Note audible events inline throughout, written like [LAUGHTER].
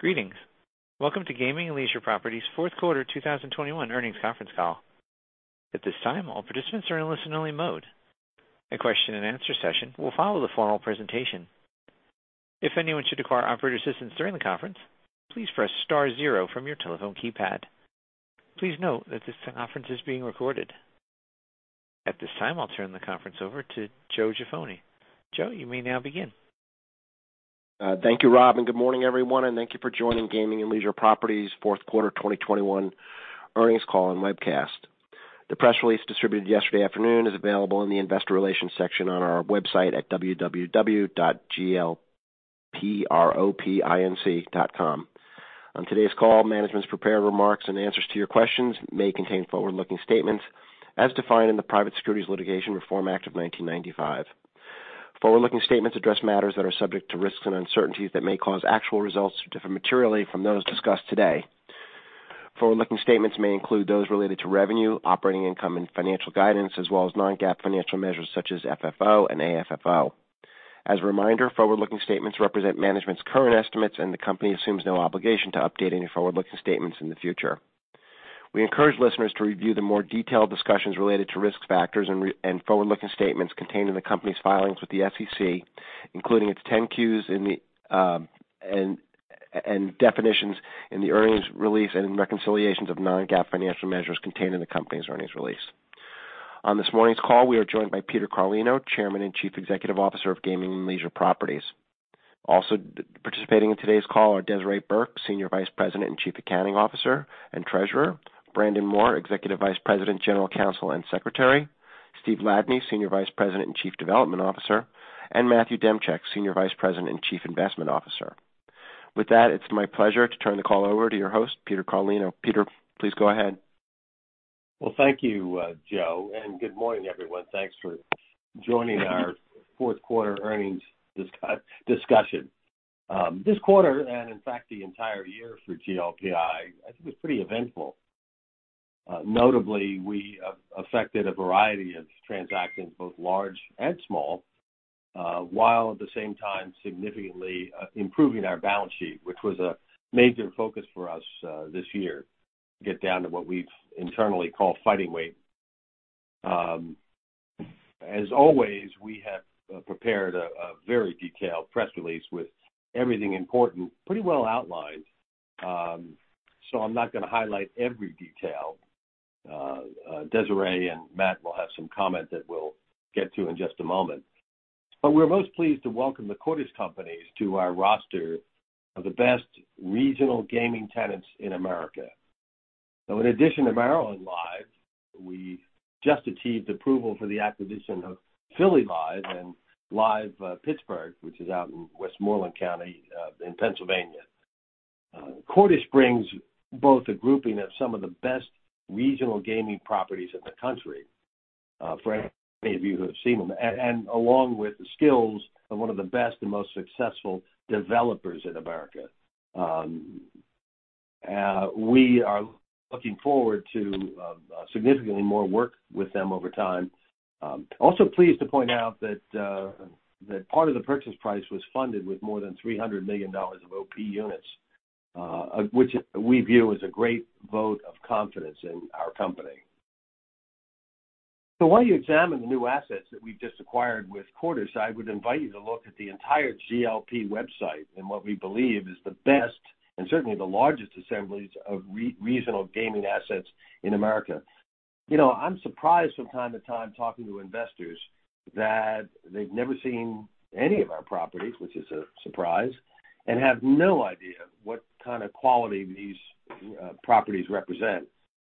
Greetings. Welcome to Gaming and Leisure Properties' fourth quarter 2021 earnings conference call. At this time, all participants are in listen-only mode. A question-and-answer session will follow the formal presentation. If anyone should require operator assistance during the conference, please press star zero from your telephone keypad. Please note that this conference is being recorded. At this time, I'll turn the conference over to Joe Jaffoni. Joe, you may now begin. Thank you, Rob, and good morning, everyone, and thank you for joining Gaming and Leisure Properties fourth quarter 2021 earnings call and webcast. The press release distributed yesterday afternoon is available in the investor relations section on our website at www.glpropinc.com. On today's call, management's prepared remarks and answers to your questions may contain forward-looking statements as defined in the Private Securities Litigation Reform Act of 1995. Forward-looking statements address matters that are subject to risks and uncertainties that may cause actual results to differ materially from those discussed today. Forward-looking statements may include those related to revenue, operating income, and financial guidance, as well as non-GAAP financial measures such as FFO and AFFO. As a reminder, forward-looking statements represent management's current estimates, and the company assumes no obligation to update any forward-looking statements in the future. We encourage listeners to review the more detailed discussions related to risk factors and forward-looking statements contained in the company's filings with the SEC, including its 10-Qs and definitions in the earnings release and reconciliations of non-GAAP financial measures contained in the company's earnings release. On this morning's call, we are joined by Peter Carlino, Chairman and Chief Executive Officer of Gaming and Leisure Properties. Also participating in today's call are Desiree Burke, Senior Vice President and Chief Accounting Officer and Treasurer; Brandon Moore, Executive Vice President, General Counsel and Secretary; Steve Ladany, Senior Vice President and Chief Development Officer; and Matthew Demchyk, Senior Vice President and Chief Investment Officer. With that, it's my pleasure to turn the call over to your host, Peter Carlino. Peter, please go ahead. Well, thank you, Joe, and good morning, everyone. Thanks for joining our fourth quarter earnings discussion. This quarter, and in fact, the entire year for GLPI, I think was pretty eventful. Notably, we effected a variety of transactions, both large and small, while at the same time significantly improving our balance sheet, which was a major focus for us this year. Get down to what we've internally call fighting weight. As always, we have prepared a very detailed press release with everything important, pretty well outlined. So I'm not gonna highlight every detail. Desiree and Matt will have some comment that we'll get to in just a moment. We're most pleased to welcome The Cordish Companies to our roster of the best regional gaming tenants in America. In addition to Maryland Live!, we just achieved approval for the acquisition of Philly Live! and Live! Pittsburgh, which is out in Westmoreland County in Pennsylvania. Cordish brings both a grouping of some of the best regional gaming properties in the country, for any of you who have seen them, and along with the skills of one of the best and most successful developers in America. We are looking forward to significantly more work with them over time. Also pleased to point out that that part of the purchase price was funded with more than $300 million of OP units, which we view as a great vote of confidence in our company. While you examine the new assets that we've just acquired with Cordish, I would invite you to look at the entire GLP website and what we believe is the best and certainly the largest assemblies of regional gaming assets in America. You know, I'm surprised from time to time talking to investors that they've never seen any of our properties, which is a surprise, and have no idea what kind of quality these properties represent.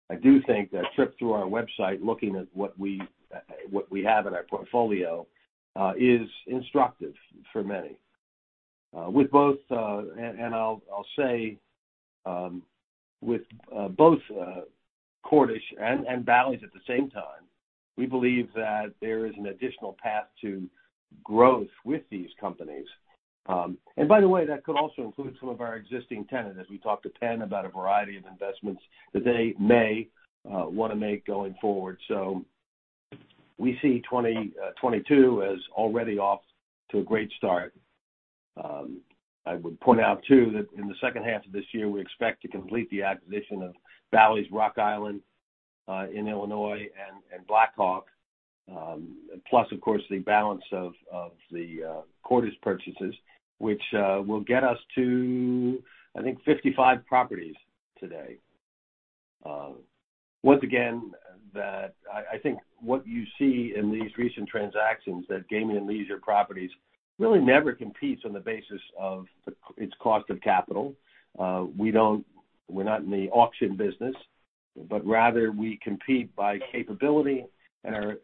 I do think that a trip through our website, looking at what we have in our portfolio, is instructive for many. With both Cordish and Bally's at the same time, we believe that there is an additional path to growth with these companies. By the way, that could also include some of our existing tenants, as we talk to Penn about a variety of investments that they may wanna make going forward. We see 2022 as already off to a great start. I would point out, too, that in the second half of this year, we expect to complete the acquisition of Bally's Rock Island in Illinois and Black Hawk. Plus, of course, the balance of the Cordish purchases, which will get us to, I think, 55 properties today. Once again, I think what you see in these recent transactions that Gaming and Leisure Properties really never competes on the basis of its cost of capital. We're not in the auction business, but rather we compete by capability and our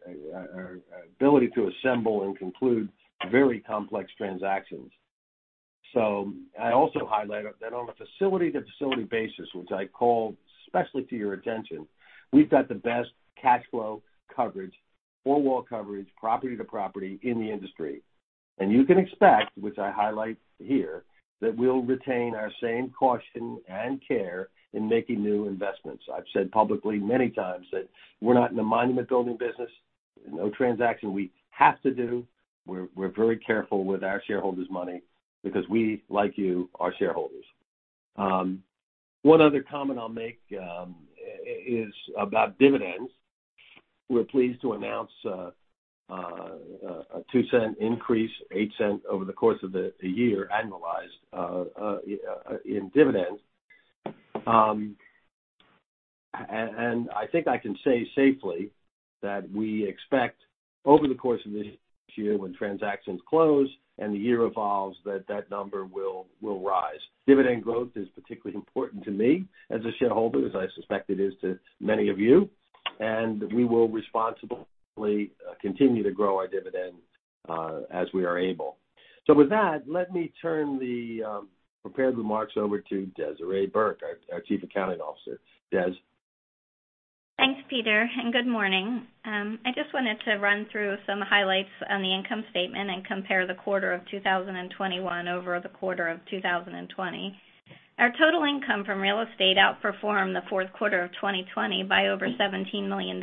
ability to assemble and conclude very complex transactions. I also highlight that on a facility-to-facility basis, which I call especially to your attention, we've got the best cash flow coverage, four-wall coverage, property to property in the industry. You can expect, which I highlight here, that we'll retain our same caution and care in making new investments. I've said publicly many times that we're not in the monument building business. No transaction we have to do. We're very careful with our shareholders' money because we, like you, are shareholders. One other comment I'll make is about dividends. We're pleased to announce a $0.02 increase, $0.08 over the course of the year, annualized in dividends. I think I can say safely that we expect over the course of this year, when transactions close and the year evolves, that number will rise. Dividend growth is particularly important to me as a shareholder, as I suspect it is to many of you, and we will responsibly continue to grow our dividend, as we are able. With that, let me turn the prepared remarks over to Desiree Burke, our Chief Accounting Officer. Des. Thanks, Peter, and good morning. I just wanted to run through some highlights on the income statement and compare the quarter of 2021 over the quarter of 2020. Our total income from real estate outperformed the fourth quarter of 2020 by over $17 million,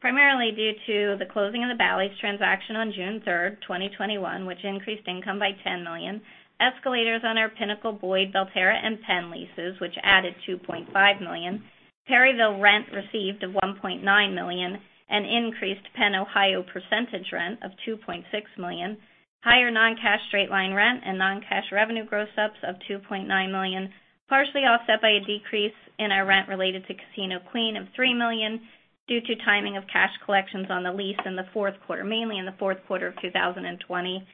primarily due to the closing of the Bally's transaction on June 3rd, 2021, which increased income by $10 million, escalators on our Pinnacle, Boyd, Belterra and Penn leases, which added $2.5 million, Perryville rent received of $1.9 million, an increased Penn Ohio percentage rent of $2.6 million. Higher non-cash straight-line rent and non-cash revenue gross ups of $2.9 million, partially offset by a decrease in our rent related to Casino Queen of $3 million due to timing of cash collections on the lease in the fourth quarter, mainly in the fourth quarter of 2020.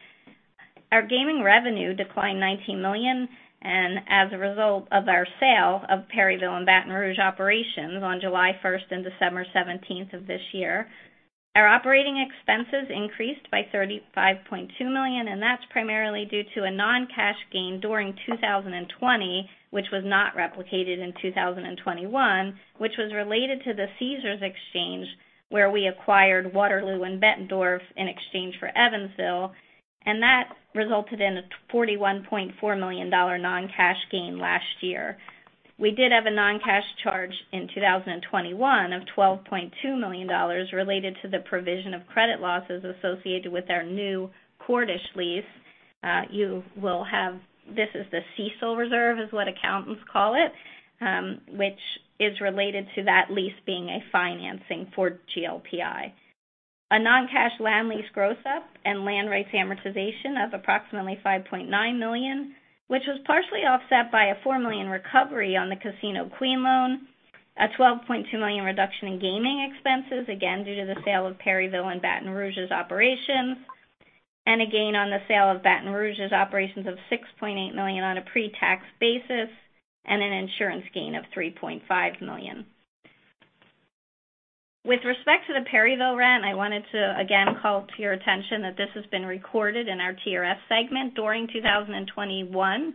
Our gaming revenue declined $19 million, and as a result of our sale of Perryville and Baton Rouge operations on July 1st and December 17th of this year. Our operating expenses increased by $35.2 million, and that's primarily due to a non-cash gain during 2020, which was not replicated in 2021, which was related to the Caesars exchange, where we acquired Waterloo and Bettendorf in exchange for Evansville. That resulted in a $41.4 million non-cash gain last year. We did have a non-cash charge in 2021 of $12.2 million related to the provision of credit losses associated with our new Cordish lease. This is the CECL reserve, is what accountants call it, which is related to that lease being a financing for GLPI. A non-cash land lease gross up and land rights amortization of approximately $5.9 million, which was partially offset by a $4 million recovery on the Casino Queen loan, a $12.2 million reduction in gaming expenses, again, due to the sale of Perryville and Baton Rouge's operations, and a gain on the sale of Baton Rouge's operations of $6.8 million on a pre-tax basis and an insurance gain of $3.5 million. With respect to the Perryville rent, I wanted to again call to your attention that this has been recorded in our TRS segment during 2021.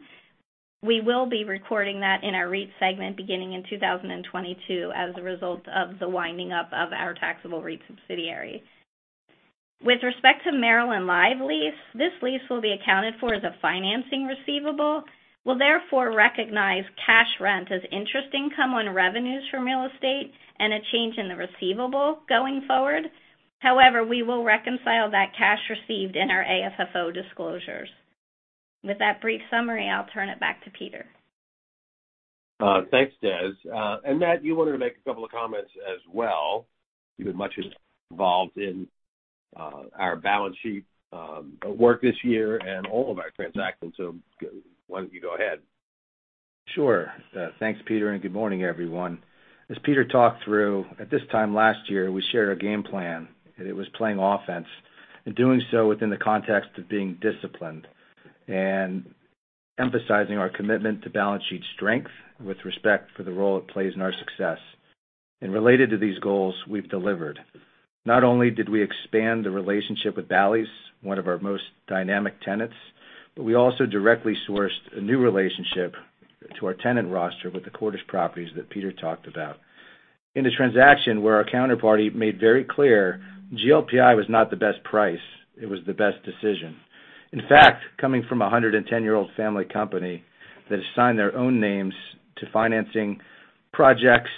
We will be recording that in our REIT segment beginning in 2022 as a result of the winding up of our taxable REIT subsidiary. With respect to Maryland Live! lease, this lease will be accounted for as a financing receivable. We'll therefore recognize cash rent as interest income on revenues from real estate and a change in the receivable going forward. However, we will reconcile that cash received in our AFFO disclosures. With that brief summary, I'll turn it back to Peter. Thanks, Des. Matt, you wanted to make a couple of comments as well. You've been much involved in our balance sheet work this year and all of our transactions, so why don't you go ahead? Sure. Thanks, Peter, and good morning, everyone. As Peter talked through, at this time last year, we shared a game plan, and it was playing offense and doing so within the context of being disciplined and emphasizing our commitment to balance sheet strength with respect for the role it plays in our success. Related to these goals, we've delivered. Not only did we expand the relationship with Bally's, one of our most dynamic tenants, but we also directly sourced a new relationship to our tenant roster with the Cordish Companies that Peter talked about. In a transaction where our counterparty made very clear GLPI was not the best price, it was the best decision. In fact, coming from a 110-year-old family company that has signed their own names to financing projects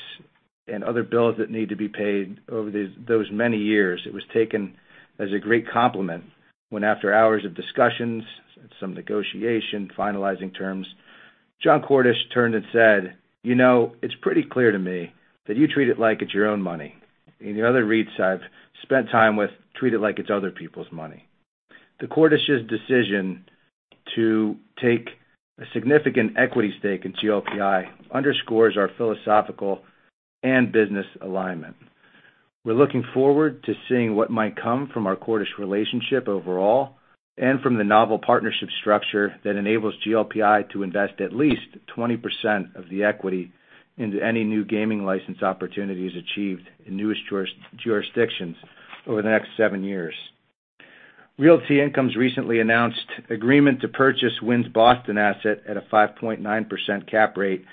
and other bills that need to be paid over those many years, it was taken as a great compliment when after hours of discussions and some negotiation, finalizing terms, Jon Cordish turned and said, "You know, it's pretty clear to me that you treat it like it's your own money. And the other REITs I've spent time with treat it like it's other people's money." The Cordish's decision to take a significant equity stake in GLPI underscores our philosophical and business alignment. We're looking forward to seeing what might come from our Cordish relationship overall and from the novel partnership structure that enables GLPI to invest at least 20% of the equity into any new gaming license opportunities achieved in new jurisdictions over the next seven years. Realty Income's recently announced agreement to purchase Wynn's Boston asset at a 5.9% cap rate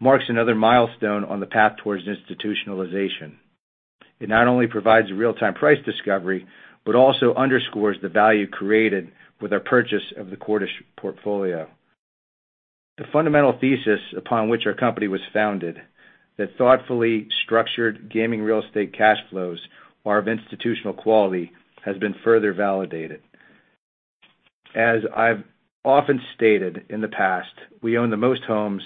marks another milestone on the path towards institutionalization. It not only provides real-time price discovery, but also underscores the value created with our purchase of the Cordish portfolio. The fundamental thesis upon which our company was founded, that thoughtfully structured gaming real estate cash flows are of institutional quality, has been further validated. As I've often stated in the past, we own the most homes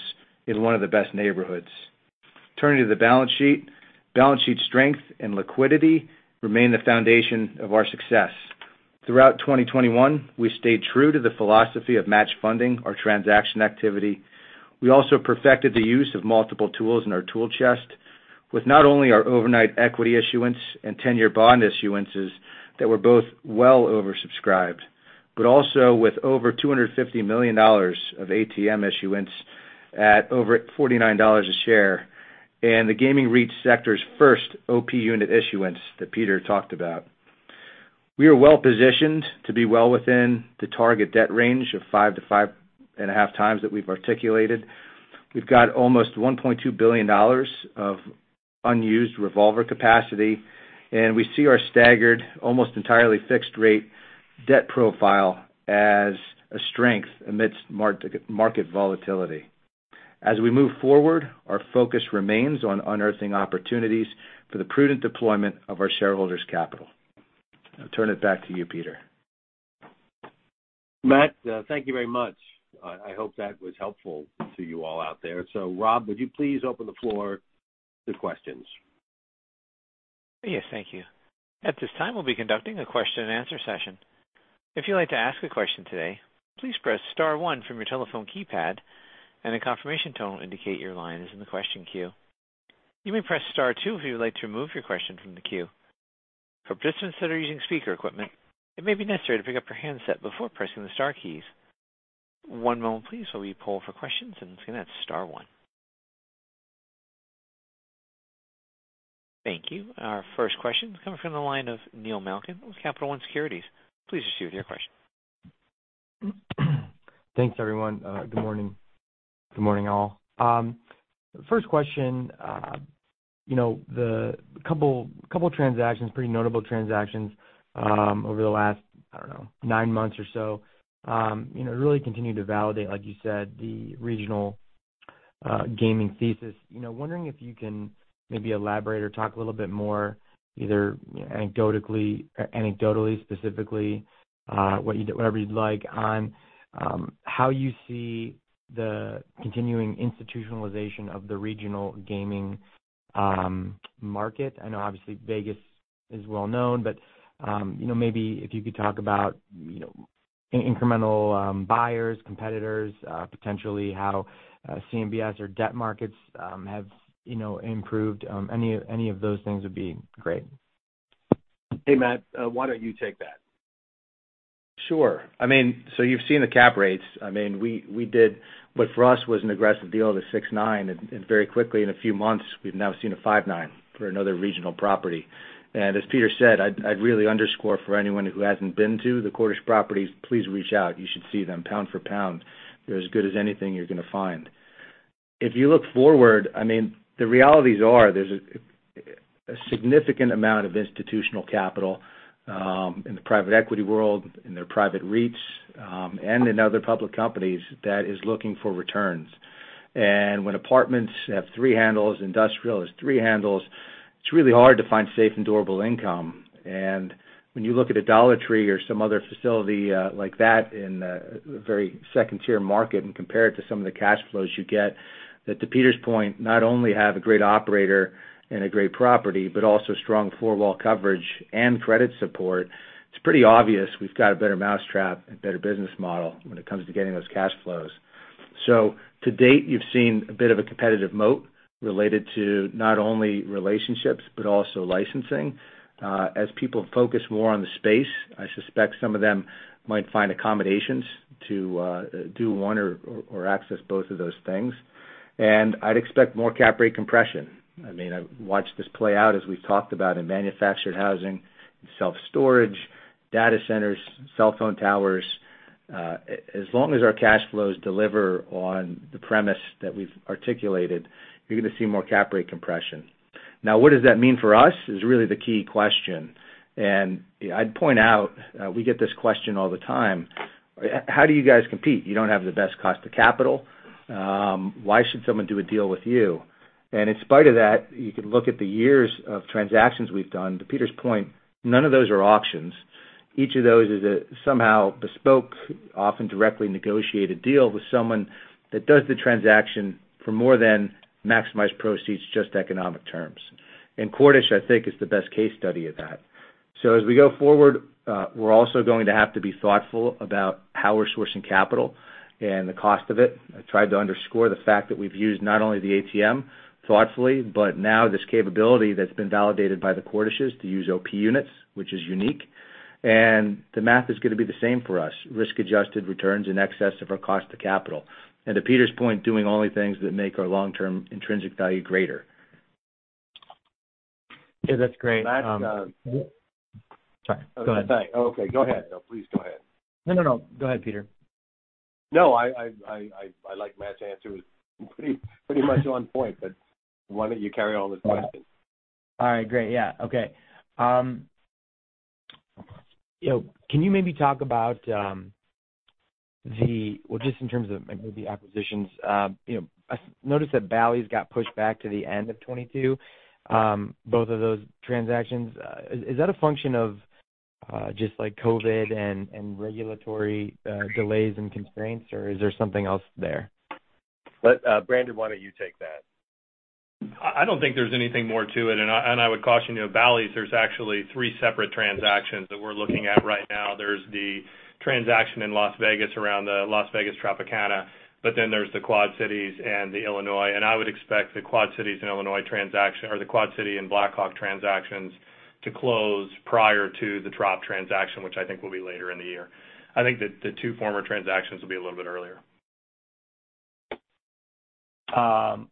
in one of the best neighborhoods. Turning to the balance sheet. Balance sheet strength and liquidity remain the foundation of our success. Throughout 2021, we stayed true to the philosophy of match funding our transaction activity. We also perfected the use of multiple tools in our tool chest with not only our overnight equity issuance and 10-year bond issuances that were both well oversubscribed, but also with over $250 million of ATM issuance at over $49 a share. The gaming REIT sector's first OP unit issuance that Peter talked about. We are well-positioned to be well within the target debt range of 5x-5.5x that we've articulated. We've got almost $1.2 billion of unused revolver capacity, and we see our staggered, almost entirely fixed rate debt profile as a strength amidst market volatility. As we move forward, our focus remains on unearthing opportunities for the prudent deployment of our shareholders' capital. I'll turn it back to you, Peter. Matt, thank you very much. I hope that was helpful to you all out there. Rob, would you please open the floor to questions? Yes, thank you. At this time, we'll be conducting a question-and-answer session. If you'd like to ask a question today, please press star one from your telephone keypad and a confirmation tone will indicate your line is in the question queue. You may press star two if you would like to remove your question from the queue. For participants that are using speaker equipment, it may be necessary to pick up your handset before pressing the star keys. One moment please, while we poll for questions. Again, that's star one. Thank you. Our first question is coming from the line of Neil Malkin with Capital One Securities. Please proceed with your question. Thanks, everyone. Good morning. Good morning, all. First question. You know, the couple transactions, pretty notable transactions, over the last, I don't know, nine months or so, you know, really continue to validate, like you said, the regional gaming thesis. You know, wondering if you can maybe elaborate or talk a little bit more, either anecdotally, specifically, whatever you'd like on how you see the continuing institutionalization of the regional gaming market. I know obviously Vegas is well known, but you know, maybe if you could talk about, you know, incremental buyers, competitors, potentially how CMBS or debt markets have, you know, improved. Any of those things would be great. Hey, Matt, why don't you take that? Sure. I mean, you've seen the cap rates. I mean, we did what for us was an aggressive deal at a 6.9%, and very quickly in a few months, we've now seen a 5.9% for another regional property. As Peter said, I'd really underscore for anyone who hasn't been to the Cordish properties, please reach out. You should see them pound for pound. They're as good as anything you're gonna find. If you look forward, I mean, the realities are there's a significant amount of institutional capital in the private equity world, in their private REITs, and in other public companies that is looking for returns. When apartments have three handles, industrial has three handles, it's really hard to find safe and durable income. When you look at a Dollar Tree or some other facility like that in a very second-tier market and compare it to some of the cash flows you get, that to Peter's point, not only have a great operator and a great property, but also strong floor wall coverage and credit support, it's pretty obvious we've got a better mousetrap and better business model when it comes to getting those cash flows. To date, you've seen a bit of a competitive moat related to not only relationships but also licensing. As people focus more on the space, I suspect some of them might find accommodations to do one or access both of those things. I'd expect more cap rate compression. I mean, I watched this play out as we've talked about in manufactured housing, in self-storage, data centers, cell phone towers. As long as our cash flows deliver on the premise that we've articulated, you're gonna see more cap rate compression. Now, what does that mean for us is really the key question. I'd point out, we get this question all the time. How do you guys compete? You don't have the best cost to capital. Why should someone do a deal with you? In spite of that, you can look at the years of transactions we've done. To Peter's point, none of those are auctions. Each of those is a somehow bespoke, often directly negotiated deal with someone that does the transaction for more than maximized proceeds, just economic terms. Cordish, I think, is the best case study of that. As we go forward, we're also going to have to be thoughtful about how we're sourcing capital and the cost of it. I tried to underscore the fact that we've used not only the ATM thoughtfully, but now this capability that's been validated by the Cordish's to use OP units, which is unique. The math is gonna be the same for us. Risk-adjusted returns in excess of our cost of capital. To Peter's point, doing only things that make our long-term intrinsic value greater. Yeah, that's great. Matt, Sorry, go ahead. Please go ahead. No, no. Go ahead, Peter. No, I like Matt's answer. It was pretty much on point, but why don't you carry all those questions? All right. Great. Yeah. Okay. You know, can you maybe talk about, well, just in terms of maybe the acquisitions, you know, I noticed that Bally's got pushed back to the end of 2022, both of those transactions. Is that a function of, just like COVID and regulatory delays and constraints, or is there something else there? Brandon, why don't you take that? I don't think there's anything more to it. I would caution you, at Bally's, there's actually three separate transactions that we're looking at right now. There's the transaction in Las Vegas around the Las Vegas Tropicana, but then there's the Quad Cities and the Illinois. I would expect the Quad Cities and Illinois transaction or the Quad City and Black Hawk transactions to close prior to the Trop transaction, which I think will be later in the year. I think that the two former transactions will be a little bit earlier.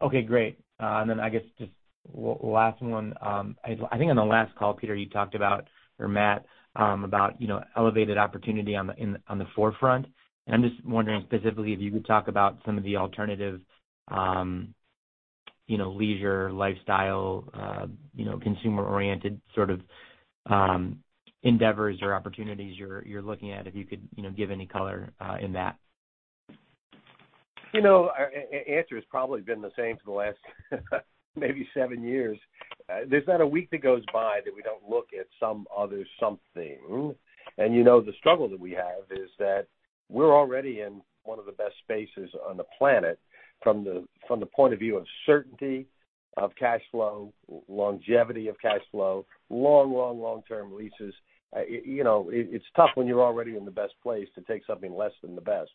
Okay, great. I guess just last one. I think on the last call, Peter, you talked about, or Matt, about, you know, elevated opportunity on the forefront. I'm just wondering specifically if you could talk about some of the alternative, you know, leisure, lifestyle, you know, consumer-oriented sort of endeavors or opportunities you're looking at, if you could, you know, give any color in that. You know, answer has probably been the same for the last maybe seven years. There's not a week that goes by that we don't look at some other something. You know, the struggle that we have is that we're already in one of the best spaces on the planet from the point of view of certainty of cash flow, longevity of cash flow, long-term leases. You know, it's tough when you're already in the best place to take something less than the best.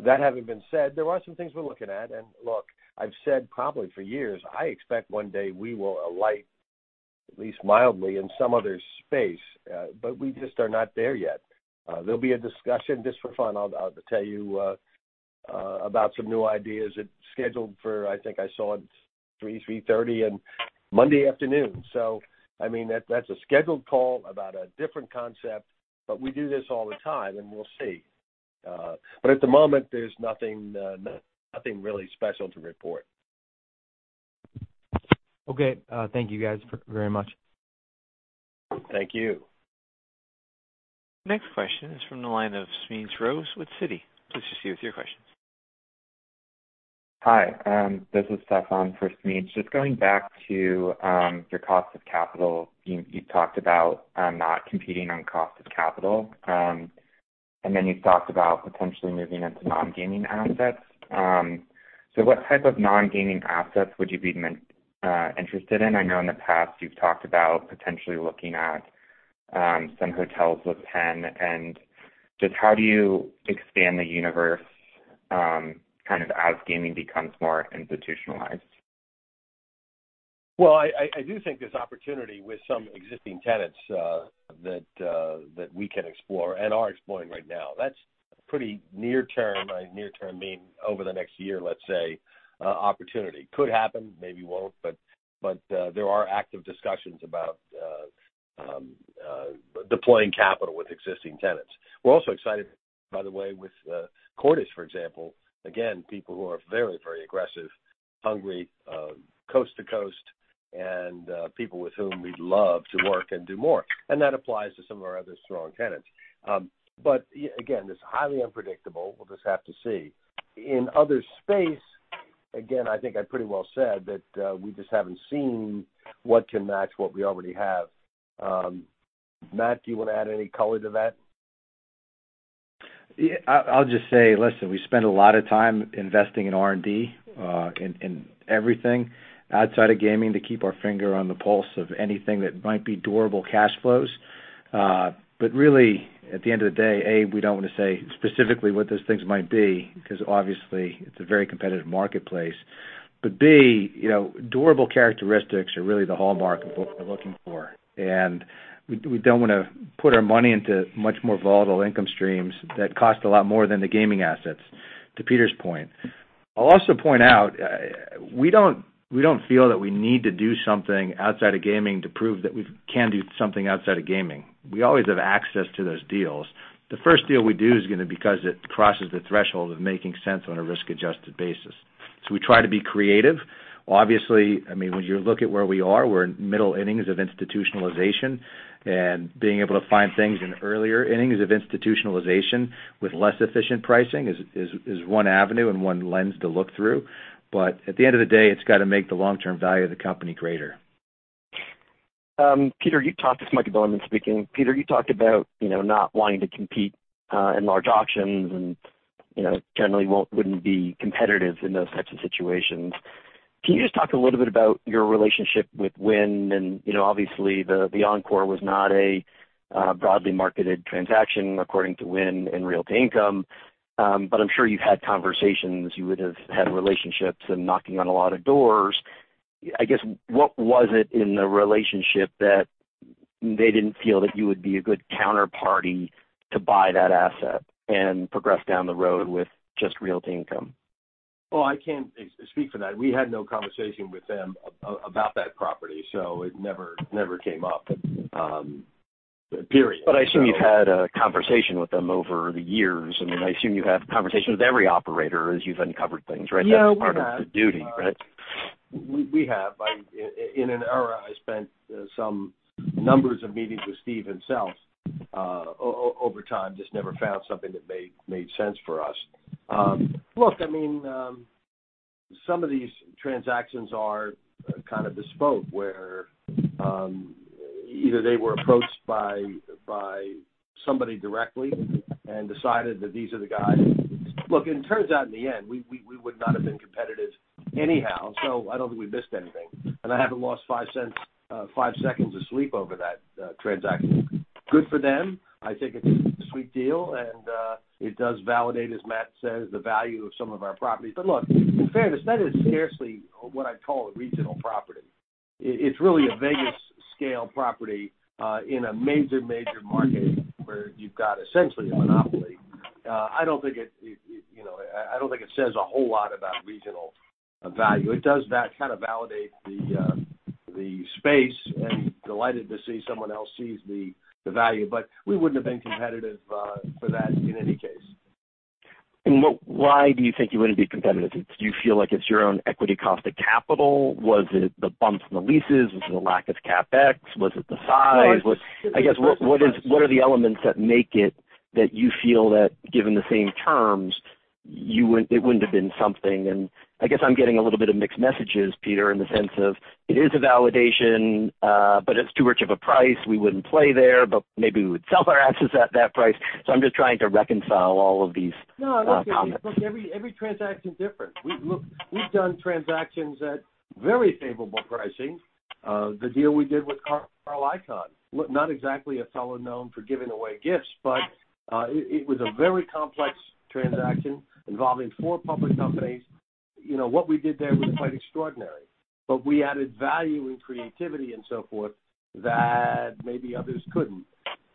That having been said, there are some things we're looking at. Look, I've said probably for years, I expect one day we will alight, at least mildly, in some other space, but we just are not there yet. There'll be a discussion just for fun, I'll tell you about some new ideas. It's scheduled for, I think I saw it, 3:00 PM to 3:30 P.M. on Monday afternoon. I mean, that's a scheduled call about a different concept, but we do this all the time, and we'll see. But at the moment, there's nothing really special to report. Okay. Thank you guys very much. Thank you. Next question is from the line of Smedes Rose with Citi. Please proceed with your questions. Hi. This is Stefan for Smedes. Just going back to your cost of capital. You talked about not competing on cost of capital, and then you talked about potentially moving into non-gaming assets. So what type of non-gaming assets would you be interested in? I know in the past you've talked about potentially looking at some hotels with Penn, and just how do you expand the universe kind of as gaming becomes more institutionalized? Well, I do think there's opportunity with some existing tenants that we can explore and are exploring right now. That's pretty near term, by near term meaning over the next year, let's say, opportunity. Could happen, maybe won't, but there are active discussions about deploying capital with existing tenants. We're also excited, by the way, with Cordish, for example, again, people who are very aggressive, hungry, coast to coast and people with whom we'd love to work and do more. That applies to some of our other strong tenants. Again, it's highly unpredictable. We'll just have to see. In other space, again, I think I pretty well said that we just haven't seen what can match what we already have. Matt, do you wanna add any color to that? Yeah. I'll just say, listen, we spend a lot of time investing in R&D in everything outside of gaming to keep our finger on the pulse of anything that might be durable cash flows. Really, at the end of the day, A, we don't wanna say specifically what those things might be because obviously it's a very competitive marketplace. B, you know, durable characteristics are really the hallmark of what we're looking for, and we don't wanna put our money into much more volatile income streams that cost a lot more than the gaming assets, to Peter's point. I'll also point out, we don't feel that we need to do something outside of gaming to prove that we can do something outside of gaming. We always have access to those deals. The first deal we do is gonna be because it crosses the threshold of making sense on a risk-adjusted basis. We try to be creative. Obviously, I mean, when you look at where we are, we're in middle innings of institutionalization. Being able to find things in earlier innings of institutionalization with less efficient pricing is one avenue and one lens to look through. At the end of the day, it's gotta make the long-term value of the company greater. Peter, you talked about- this is Michael Bilerman speaking. Peter, you talked about, you know, not wanting to compete in large auctions and, you know, generally wouldn't be competitive in those types of situations. Can you just talk a little bit about your relationship with Wynn? You know, obviously the Encore was not a broadly marketed transaction according to Wynn and Realty Income. But I'm sure you've had conversations, you would have had relationships and knocking on a lot of doors. I guess, what was it in the relationship that they didn't feel that you would be a good counterparty to buy that asset and progress down the road with just Realty Income? Well, I can't speak for that. We had no conversation with them about that property, so it never came up, period. I assume you've had a conversation with them over the years. I mean, I assume you have conversations with every operator as you've uncovered things, right? Yeah, we have. That's part of the duty, right? We have. In an era, I spent a number of meetings with Steve himself over time, just never found something that made sense for us. Look, I mean, some of these transactions are kind of bespoke where either they were approached by somebody directly and decided that these are the guys. Look, it turns out in the end, we would not have been competitive anyhow, so I don't think we missed anything. I haven't lost five seconds of sleep over that transaction. Good for them. I think it's a sweet deal, and it does validate, as Matt says, the value of some of our properties. Look, in fairness, that is scarcely what I'd call a regional property. It's really a Vegas scale property in a major market where you've got essentially a monopoly. I don't think it says a whole lot about regional value. It does that kind of validate the space and delighted to see someone else sees the value, but we wouldn't have been competitive for that in any case. Why do you think you wouldn't be competitive? Do you feel like it's your own equity cost of capital? Was it the bumps in the leases? Was it the lack of CapEx? Was it the size? I guess, what are the elements that make it that you feel that given the same terms, it wouldn't have been something. I guess I'm getting a little bit of mixed messages, Peter, in the sense of it is a validation, but it's too rich of a price. We wouldn't play there, but maybe we would sell our assets at that price. I'm just trying to reconcile all of these comments. No. Look, every transaction is different. Look, we've done transactions at very favorable pricing. The deal we did with Carl Icahn, look, not exactly a fellow known for giving away gifts, but it was a very complex transaction involving four public companies. You know, what we did there was quite extraordinary. We added value and creativity and so forth that maybe others couldn't.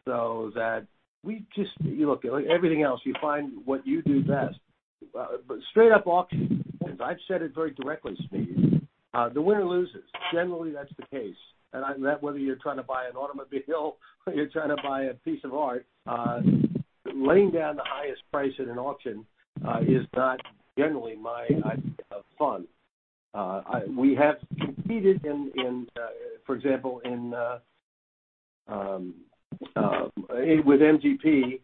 That we just look, like everything else, you find what you do best. Straight up auctions, I've said it very directly, Steve, the winner loses. Generally, that's the case. That, whether you're trying to buy an automobile or you're trying to buy a piece of art, laying down the highest price at an auction is not generally my idea of fun. We have competed, for example, with MGP.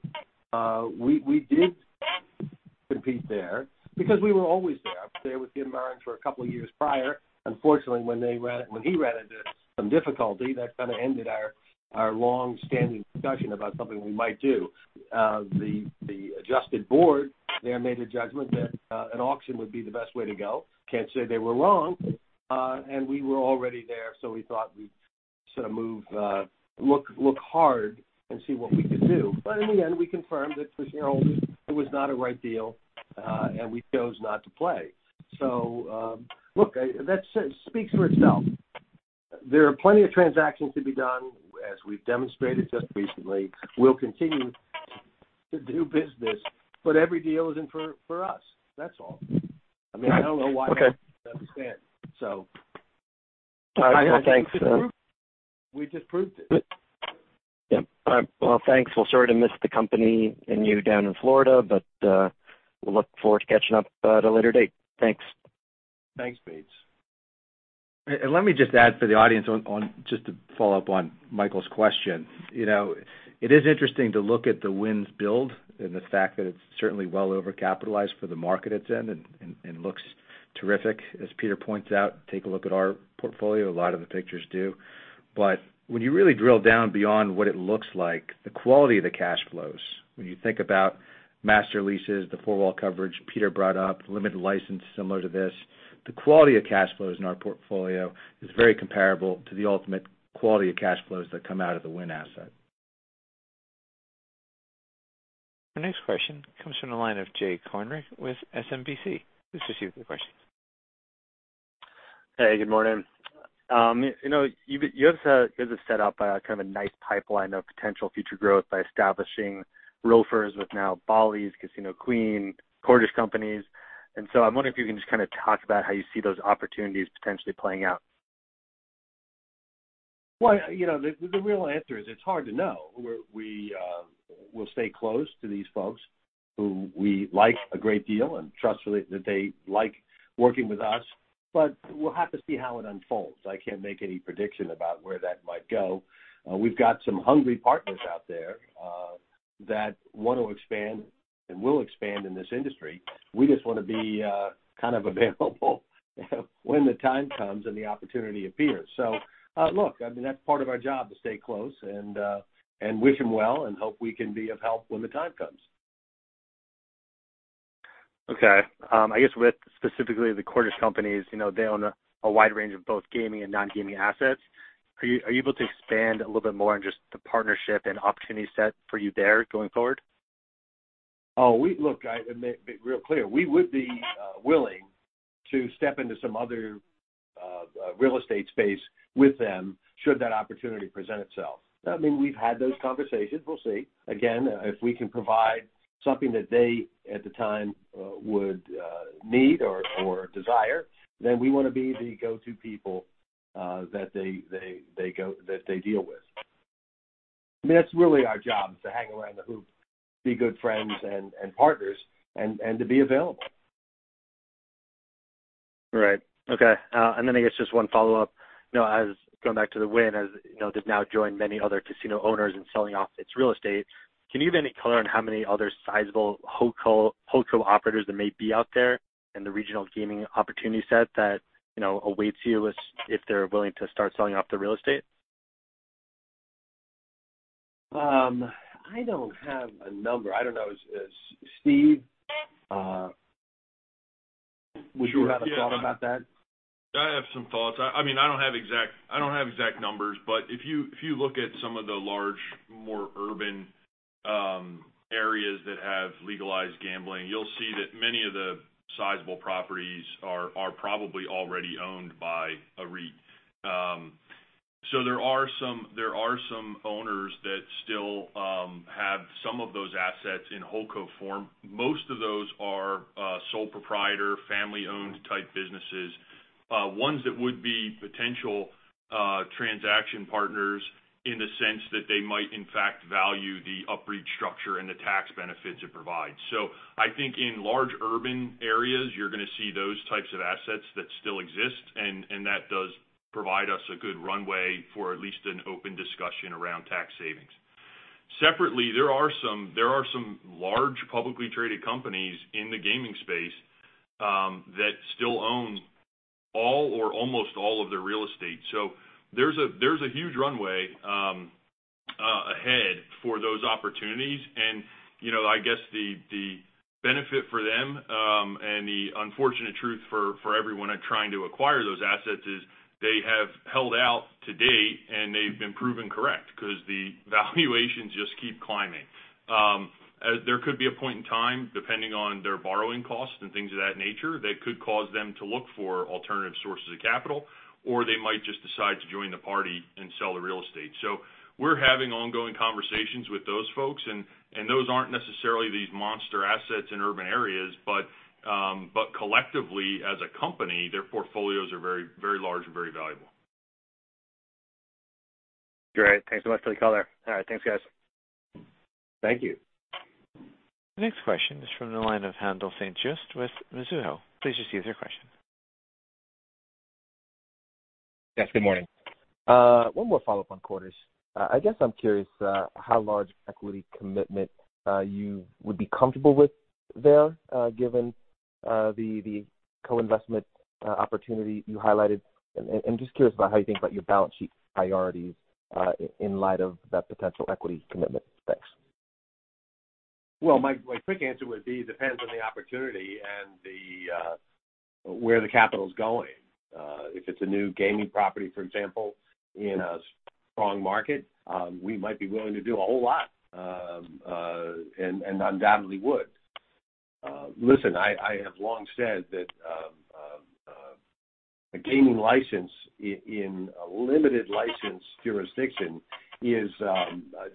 We did compete there because we were always there. I was there with Jim Murren for a couple of years prior. Unfortunately, when he ran into some difficulty, that kinda ended our long-standing discussion about something we might do. The adjusted board, they've made a judgment that an auction would be the best way to go. Can't say they were wrong, and we were already there, so we thought we'd sort of move, look hard and see what we could do. In the end, we confirmed that for shareholders, it was not a right deal, and we chose not to play. That speaks for itself. There are plenty of transactions to be done, as we've demonstrated just recently. We'll continue to do business, but every deal isn't for us. That's all. I mean, I don't know why. Okay. I don't understand. All right. Well, thanks. We just proved it. Yeah. All right. Well, thanks. Well, sorry to miss the company and you down in Florida, but we'll look forward to catching up at a later date. Thanks. Thanks. [INAUDIBLE] Let me just add for the audience just to follow up on Michael's question. You know, it is interesting to look at the Wynn's build and the fact that it's certainly well overcapitalized for the market it's in and looks terrific. As Peter points out, take a look at our portfolio. A lot of the pictures do. But when you really drill down beyond what it looks like, the quality of the cash flows, when you think about master leases, the four-wall coverage Peter brought up, limited license similar to this, the quality of cash flows in our portfolio is very comparable to the ultimate quality of cash flows that come out of the Wynn asset. Our next question comes from the line of Jay Kornreich with SMBC. Please proceed with your question. Hey, good morning. You know, you guys are set up kind of a nice pipeline of potential future growth by establishing relationships with now Bally's, Casino Queen, Cordish Companies. I'm wondering if you can just kinda talk about how you see those opportunities potentially playing out. Well, you know, the real answer is it's hard to know. We'll stay close to these folks who we like a great deal and trust really that they like working with us, but we'll have to see how it unfolds. I can't make any prediction about where that might go. We've got some hungry partners out there that want to expand and will expand in this industry. We just wanna be kind of available when the time comes and the opportunity appears. Look, I mean, that's part of our job, to stay close and wish them well and hope we can be of help when the time comes. Okay. I guess with specifically the Cordish Companies, you know, they own a wide range of both gaming and non-gaming assets. Are you able to expand a little bit more on just the partnership and opportunity set for you there going forward? Look, let me be real clear. We would be willing to step into some other real estate space with them should that opportunity present itself. I mean, we've had those conversations. We'll see. Again, if we can provide something that they at the time would need or desire, then we wanna be the go-to people that they deal with. That's really our job, to hang around the hoop, be good friends and partners and to be available. Right. Okay. I guess just one follow-up. You know, as going back to the Wynn, as, you know, they've now joined many other casino owners in selling off its real estate. Can you give any color on how many other sizable [holdco] operators that may be out there in the regional gaming opportunity set that, you know, awaits you if they're willing to start selling off their real estate? I don't have a number. I don't know. Steve, would you have a thought about that? I have some thoughts. I mean, I don't have exact numbers, but if you look at some of the large, more urban areas that have legalized gambling, you'll see that many of the sizable properties are probably already owned by a REIT. There are some owners that still have some of those assets in [holdco] form. Most of those are sole proprietor, family-owned type businesses, ones that would be potential transaction partners in the sense that they might, in fact, value the UPREIT structure and the tax benefits it provides. I think in large urban areas, you're gonna see those types of assets that still exist, and that does provide us a good runway for at least an open discussion around tax savings. Separately, there are some large publicly traded companies in the gaming space that still own all or almost all of their real estate. There's a huge runway ahead for those opportunities. You know, I guess the benefit for them and the unfortunate truth for everyone at trying to acquire those assets is they have held out to date, and they've been proven correct, 'cause the valuations just keep climbing. There could be a point in time, depending on their borrowing costs and things of that nature, that could cause them to look for alternative sources of capital, or they might just decide to join the party and sell the real estate. We're having ongoing conversations with those folks and those aren't necessarily these monster assets in urban areas, but collectively, as a company, their portfolios are very, very large and very valuable. Great. Thanks so much for the color. All right, thanks, guys. Thank you. The next question is from the line of Haendel St. Juste with Mizuho. Please just use your question. Yes, good morning. One more follow-up on Cordish. I guess I'm curious how large equity commitment you would be comfortable with there, given the co-investment opportunity you highlighted. Just curious about how you think about your balance sheet priorities in light of that potential equity commitment. Thanks. My quick answer would be, it depends on the opportunity and the where the capital is going. If it's a new gaming property, for example, in a strong market, we might be willing to do a whole lot, and undoubtedly would. Listen, I have long said that a gaming license in a limited license jurisdiction is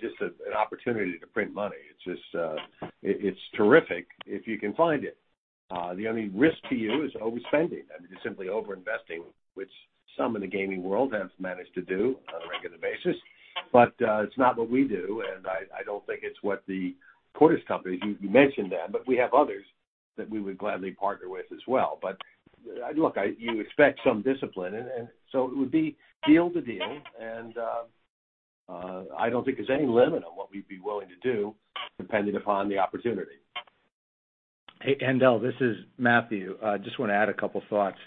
just an opportunity to print money. It's just terrific if you can find it. The only risk to you is overspending. I mean, just simply over-investing, which some in the gaming world have managed to do on a regular basis, but it's not what we do, and I don't think it's what the Cordish Companies. You mentioned them, but we have others that we would gladly partner with as well. You expect some discipline and so it would be deal to deal. I don't think there's any limit on what we'd be willing to do depending upon the opportunity. Hey, Haendel, this is Matthew. I just wanna add a couple thoughts.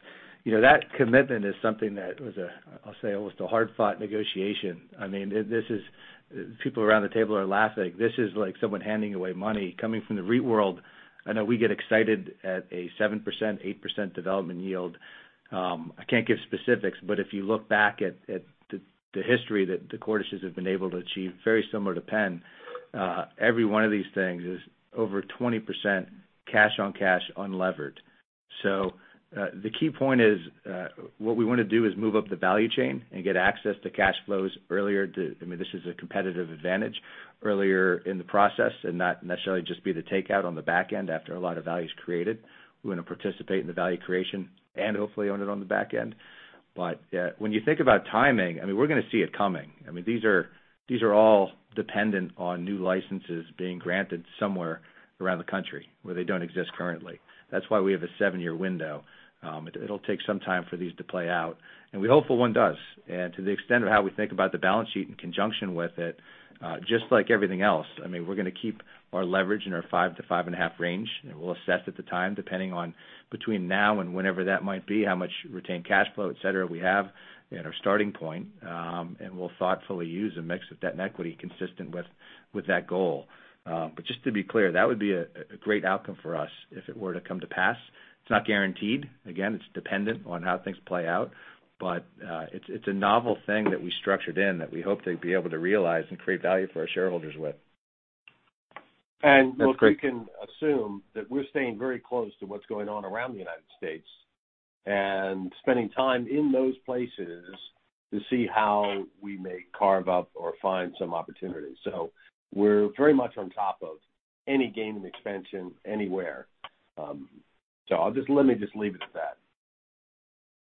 You know, that commitment is something that was a, I'll say almost a hard-fought negotiation. I mean, this is. People around the table are laughing. This is like someone handing away money. Coming from the REIT world, I know we get excited at a 7%, 8% development yield. I can't give specifics, but if you look back at the history that the Cordish's have been able to achieve, very similar to Penn, every one of these things is over 20% cash on cash, unlevered. So, the key point is, what we wanna do is move up the value chain and get access to cash flows earlier to. I mean, this is a competitive advantage earlier in the process and not necessarily just be the takeout on the back end after a lot of value is created. We wanna participate in the value creation and hopefully own it on the back end. When you think about timing, I mean, we're gonna see it coming. I mean, these are all dependent on new licenses being granted somewhere around the country where they don't exist currently. That's why we have a seven-year window. It'll take some time for these to play out, and we hope for one does. To the extent of how we think about the balance sheet in conjunction with it, just like everything else, I mean, we're gonna keep our leverage in our 5x-5.5x range. We'll assess at the time, depending on between now and whenever that might be, how much retained cash flow, et cetera, we have at our starting point, and we'll thoughtfully use a mix of debt and equity consistent with that goal. Just to be clear, that would be a great outcome for us if it were to come to pass. It's not guaranteed. Again, it's dependent on how things play out. It's a novel thing that we structured in that we hope to be able to realize and create value for our shareholders with. Look, we can assume that we're staying very close to what's going on around the United States and spending time in those places to see how we may carve up or find some opportunities. We're very much on top of any gaming expansion anywhere. Let me just leave it at that.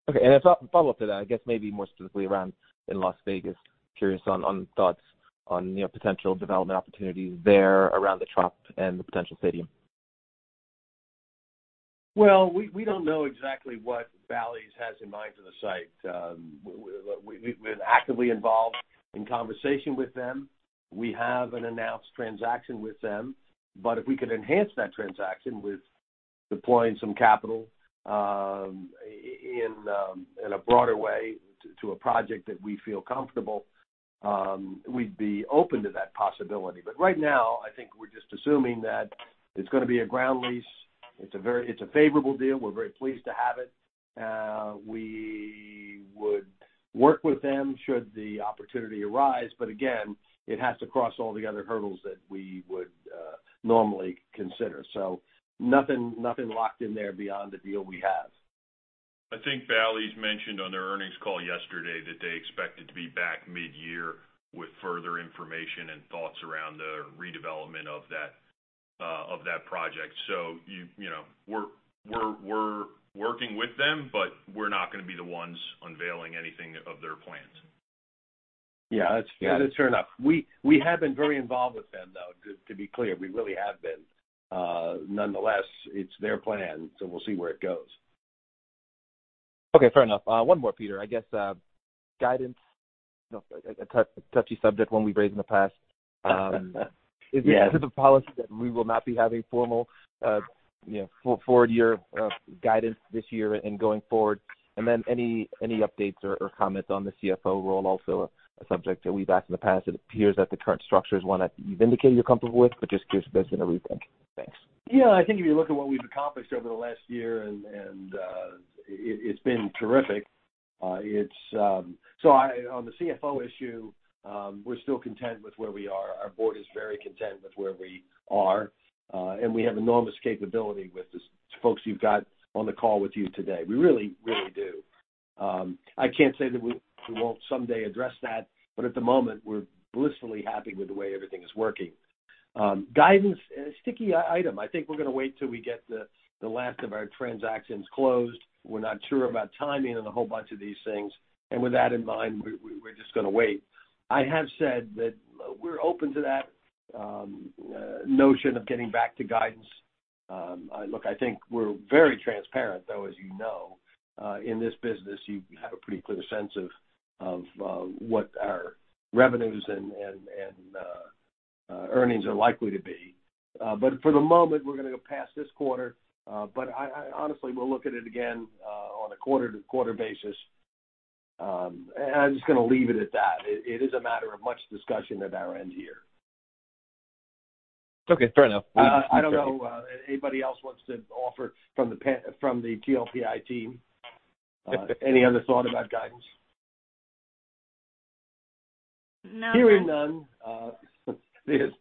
Okay. As a follow-up to that, I guess maybe more specifically around in Las Vegas, curious on thoughts on, you know, potential development opportunities there around the Trop and the potential stadium. Well, we don't know exactly what Bally's has in mind for the site. We're actively involved in conversation with them. We have an announced transaction with them. But if we could enhance that transaction with deploying some capital, in a broader way to a project that we feel comfortable, we'd be open to that possibility. But right now, I think we're just assuming that it's gonna be a ground lease. It's a favorable deal. We're very pleased to have it. We would work with them should the opportunity arise, but again, it has to cross all the other hurdles that we would normally consider. Nothing locked in there beyond the deal we have. I think Bally's mentioned on their earnings call yesterday that they expected to be back midyear with further information and thoughts around the redevelopment of that project. You know, we're working with them, but we're not gonna be the ones unveiling anything of their plans. Yeah. That's fair enough. We have been very involved with them, though. To be clear, we really have been. Nonetheless, it's their plan, so we'll see where it goes. Okay. Fair enough. One more, Peter. I guess, guidance, you know, a touchy subject when we've raised in the past. Is this a type of policy that we will not be having formal forward year guidance this year and going forward? Any updates or comments on the CFO role, also a subject that we've asked in the past. It appears that the current structure is one that you've indicated you're comfortable with, but just curious if that's in a rethink. Thanks. Yeah. I think if you look at what we've accomplished over the last year, it's been terrific. On the CFO issue, we're still content with where we are. Our board is very content with where we are. We have enormous capability with the senior folks you've got on the call with you today. We really, really do. I can't say that we won't someday address that, but at the moment, we're blissfully happy with the way everything is working. Guidance, a sticky issue. I think we're gonna wait till we get the last of our transactions closed. We're not sure about timing and a whole bunch of these things, and with that in mind, we're just gonna wait. I have said that we're open to that, notion of getting back to guidance. Look, I think we're very transparent, though, as you know. In this business, you have a pretty clear sense of what our revenues and earnings are likely to be. But for the moment, we're gonna go past this quarter. But honestly, we'll look at it again, on a quarter-to-quarter basis. I'm just gonna leave it at that. It is a matter of much discussion at our end here. It's okay. Fair enough. I don't know if anybody else wants to offer from the GLPI team any other thought about guidance. No. Hearing none, there's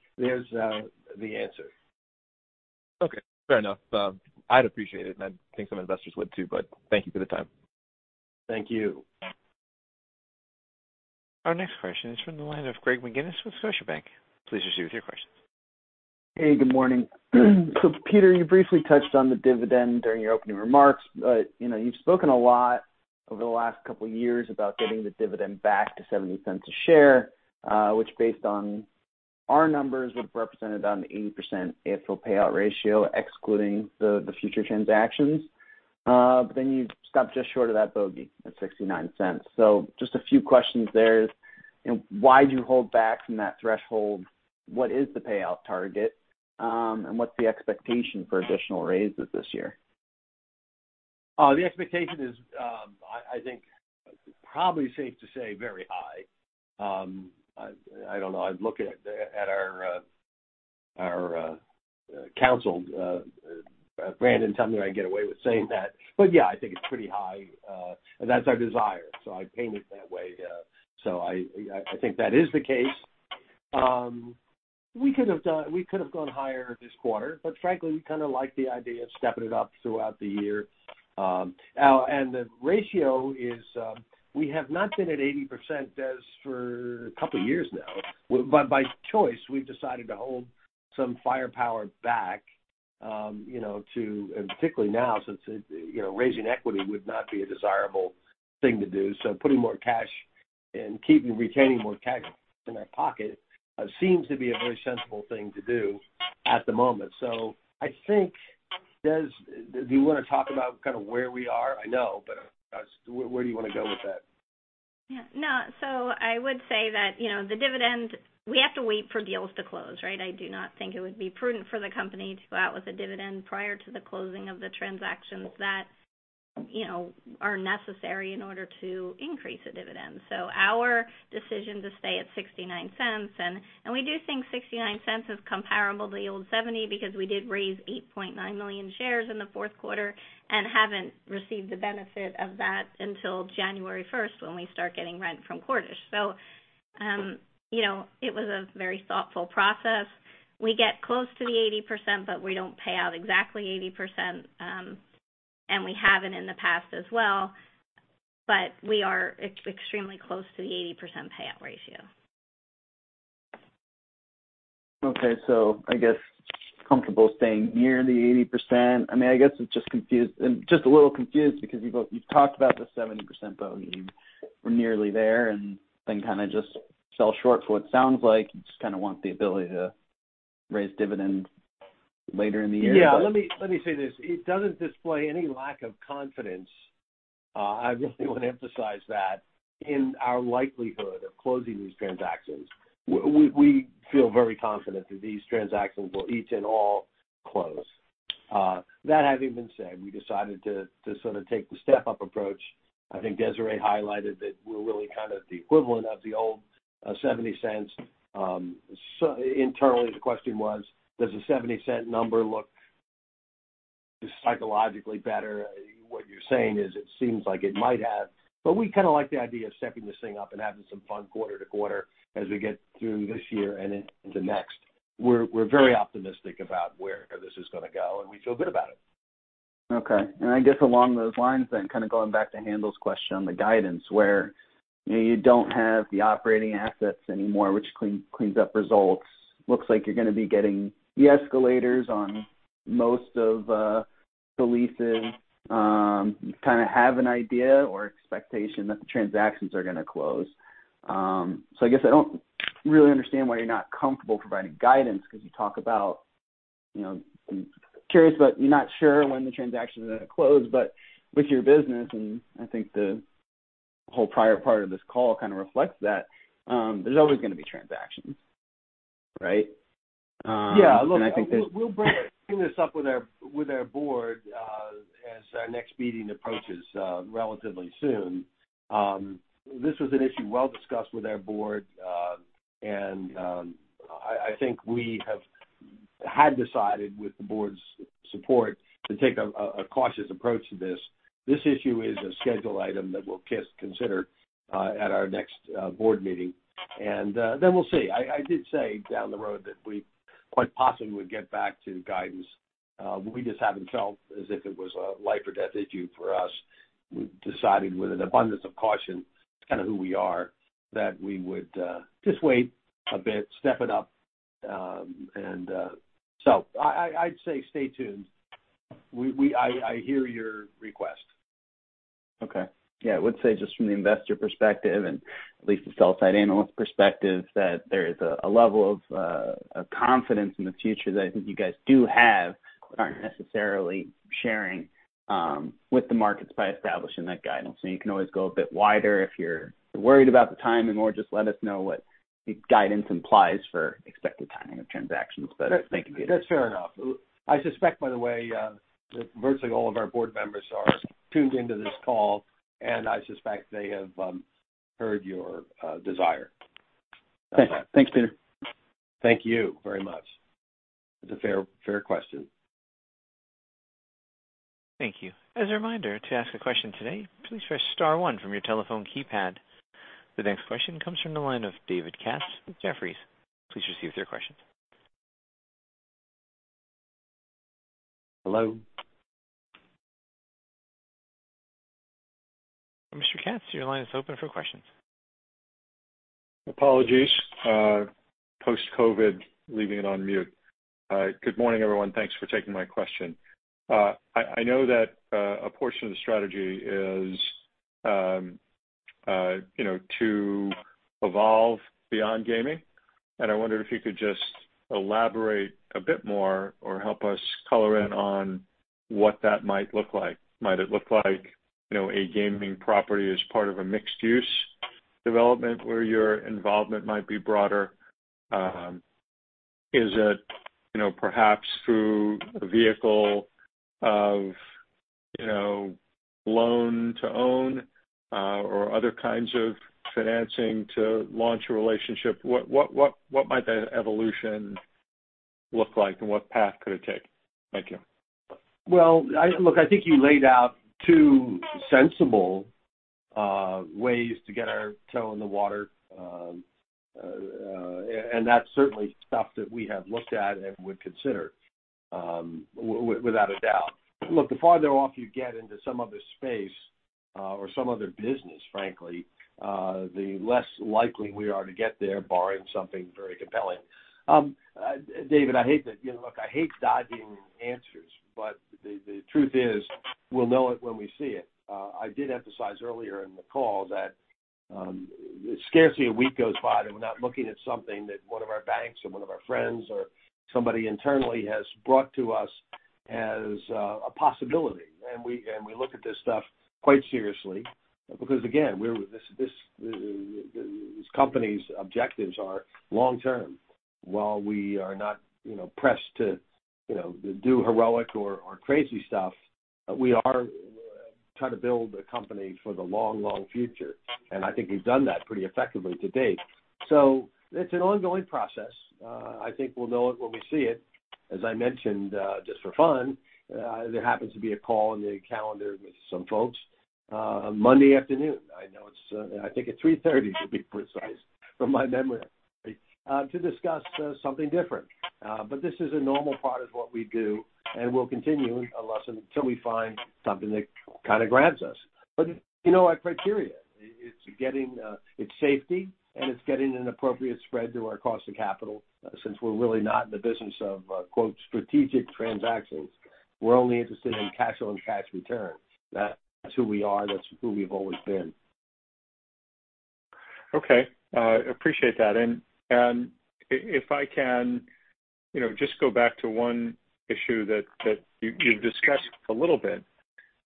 the answer. Okay. Fair enough. I'd appreciate it, and I think some investors would too, but thank you for the time. Thank you. Our next question is from the line of Greg McGinniss with Scotiabank. Please proceed with your question. Hey, good morning. Peter, you briefly touched on the dividend during your opening remarks. You know, you've spoken a lot over the last couple years about getting the dividend back to $0.70 a share, which based on our numbers would represent about an 80% AFFO payout ratio excluding the future transactions. You stopped just short of that bogey at $0.69. Just a few questions there is, you know, why'd you hold back from that threshold? What is the payout target? And what's the expectation for additional raises this year? The expectation is, I think probably safe to say very high. I don't know. I'd look at our counsel, Brandon, tell me I can get away with saying that. Yeah, I think it's pretty high, and that's our desire. I paint it that way. I think that is the case. We could have gone higher this quarter, but frankly, we kinda like the idea of stepping it up throughout the year. The ratio is, we have not been at 80%, Des, for a couple years now. By choice, we've decided to hold some firepower back, you know, and particularly now, since, you know, raising equity would not be a desirable thing to do. Putting more cash and keeping, retaining more cash in our pocket seems to be a very sensible thing to do at the moment. I think, Des, do you wanna talk about kind of where we are? Where do you wanna go with that? Yeah. No. I would say that, you know, the dividend, we have to wait for deals to close, right? I do not think it would be prudent for the company to go out with a dividend prior to the closing of the transactions that, you know, are necessary in order to increase a dividend. Our decision to stay at $0.69, and we do think $0.69 is comparable to the old $0.70 because we did raise 8.9 million shares in the fourth quarter and haven't received the benefit of that until January first when we start getting rent from Cordish. You know, it was a very thoughtful process. We get close to the 80%, but we don't pay out exactly 80%, and we haven't in the past as well, but we are extremely close to the 80% payout ratio. Okay. I guess you're comfortable staying near the 80%. I mean, I'm just a little confused because you've talked about the 70%, though. You were nearly there and then kinda just fell short for what sounds like. You just kinda want the ability to raise dividends later in the year. Yeah. Let me say this. It doesn't display any lack of confidence. I really wanna emphasize that, in our likelihood of closing these transactions. We feel very confident that these transactions will each and all close. That having been said, we decided to sort of take the step-up approach. I think Desiree highlighted that we're really kind of the equivalent of the old $0.70. So internally, the question was, does the $0.70 number look psychologically better? What you're saying is it seems like it might have, but we kinda like the idea of stepping this thing up and having some fun quarter-to-quarter as we get through this year and into the next. We're very optimistic about where this is gonna go, and we feel good about it. Okay. I guess along those lines then, kinda going back to Haendel’s question on the guidance where, you know, you don't have the operating assets anymore, which cleans up results. Looks like you're gonna be getting the escalators on most of the leases. You kinda have an idea or expectation that the transactions are gonna close. I guess I don't really understand why you're not comfortable providing guidance because you talk about, you know, I'm curious, but you're not sure when the transaction is gonna close. With your business, and I think the whole prior part of this call kinda reflects that, there's always gonna be transactions, right? I think that. We'll bring this up with our Board as our next meeting approaches relatively soon. This was an issue well discussed with our Board and I think we had decided with the Board's support to take a cautious approach to this. This issue is a schedule item that we'll consider at our next Board meeting and then we'll see. I did say down the road that we quite possibly would get back to guidance. We just haven't felt as if it was a life or death issue for us. We've decided with an abundance of caution, it's kinda who we are, that we would just wait a bit, step it up. I'd say stay tuned. I hear your request. Okay. Yeah. I would say just from the investor perspective and at least the sell-side analyst perspective, that there is a level of confidence in the future that I think you guys do have, but aren't necessarily sharing with the markets by establishing that guidance. You can always go a bit wider if you're worried about the timing, or just let us know what the guidance implies for expected timing of transactions. Thank you. That's fair enough. I suspect, by the way, that virtually all of our board members are tuned into this call, and I suspect they have heard your desire. Thanks. Thanks, Peter. Thank you very much. It's a fair question. Thank you. As a reminder, to ask a question today, please press star one from your telephone keypad. The next question comes from the line of David Katz with Jefferies. Please proceed with your question. Hello. Mr. Katz, your line is open for questions. Apologies. Post-COVID, leaving it on mute. Good morning, everyone. Thanks for taking my question. I know that a portion of the strategy is, you know, to evolve beyond gaming, and I wonder if you could just elaborate a bit more or help us color in on what that might look like. Might it look like, you know, a gaming property as part of a mixed-use development where your involvement might be broader? Is it, you know, perhaps through a vehicle of, you know, loan to own, or other kinds of financing to launch a relationship? What might that evolution look like and what path could it take? Thank you. Well, look, I think you laid out two sensible ways to get our toe in the water. That's certainly stuff that we have looked at and would consider without a doubt. Look, the farther off you get into some other space or some other business, frankly, the less likely we are to get there barring something very compelling. David, I hate to. You know, look, I hate dodging answers, but the truth is, we'll know it when we see it. I did emphasize earlier in the call that scarcely a week goes by that we're not looking at something that one of our banks or one of our friends or somebody internally has brought to us as a possibility. We look at this stuff quite seriously because, again, these company's objectives are long-term. While we are not, you know, pressed to, you know, do heroic or crazy stuff, we are trying to build a company for the long future, and I think we've done that pretty effectively to date. It's an ongoing process. I think we'll know it when we see it. As I mentioned, just for fun, there happens to be a call on the calendar with some folks Monday afternoon. I know it's. I think at 3:30 P.M., to be precise, from my memory, to discuss something different. This is a normal part of what we do, and we'll continue unless and until we find something that kinda grabs us. You know our criteria. It's getting its safety, and it's getting an appropriate spread to our cost of capital, since we're really not in the business of quote, "strategic transactions." We're only interested in cash on cash return. That's who we are. That's who we've always been. Okay. Appreciate that. If I can, you know, just go back to one issue that you have discussed a little bit,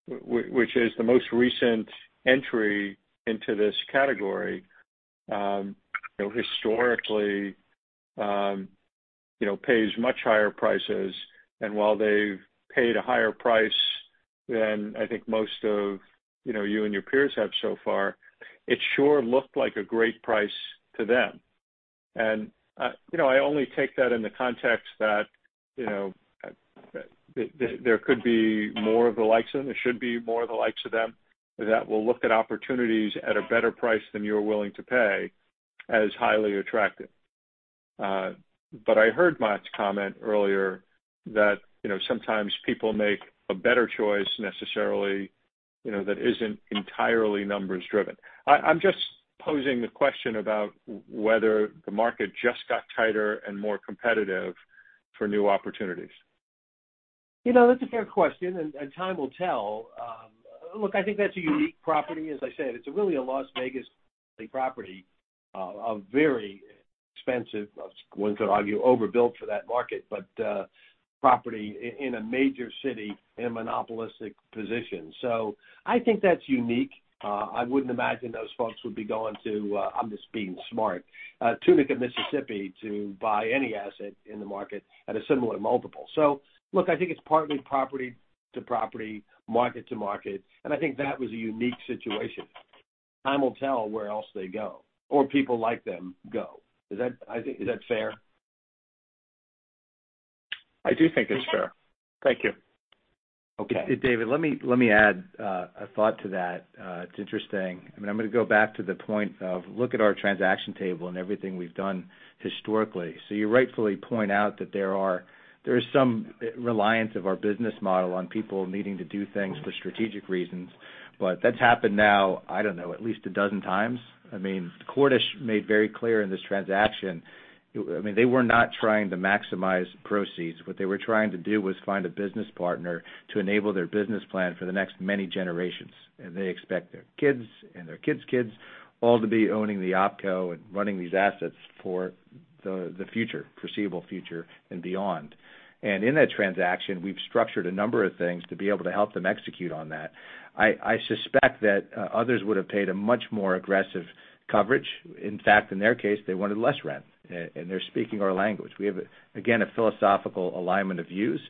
which is the most recent entry into this category, you know, historically, you know, pays much higher prices. While they've paid a higher price than I think most of, you know, you and your peers have so far, it sure looked like a great price to them. You know, I only take that in the context that, you know, that there could be more of the likes of them. There should be more of the likes of them, that will look at opportunities at a better price than you're willing to pay, as highly attractive. I heard Matt's comment earlier that, you know, sometimes people make a better choice necessarily, you know, that isn't entirely numbers-driven. I'm just posing the question about whether the market just got tighter and more competitive for new opportunities. You know, that's a fair question, and time will tell. Look, I think that's a unique property. As I said, it's really a Las Vegas property, a very expensive, one could argue, overbuilt for that market, but property in a major city in a monopolistic position. I think that's unique. I wouldn't imagine those folks would be going to, I'm just being smart, Tunica, Mississippi, to buy any asset in the market at a similar multiple. Look, I think it's partly property to property, market to market, and I think that was a unique situation. Time will tell where else they go or people like them go. Is that fair? I think, is that fair? I do think it's fair. Thank you. Okay. David, let me add a thought to that. It's interesting. I mean, I'm gonna go back to the point of look at our transaction table and everything we've done historically. You rightfully point out that there is some reliance of our business model on people needing to do things for strategic reasons, but that's happened now, I don't know, at least a dozen times. I mean, Cordish made very clear in this transaction, I mean, they were not trying to maximize proceeds. What they were trying to do was find a business partner to enable their business plan for the next many generations. They expect their kids and their kids' kids all to be owning the OpCo and running these assets for the future, foreseeable future, and beyond. In that transaction, we've structured a number of things to be able to help them execute on that. I suspect that others would have paid a much more aggressive coverage. In fact, in their case, they wanted less rent, and they're speaking our language. We have, again, a philosophical alignment of views,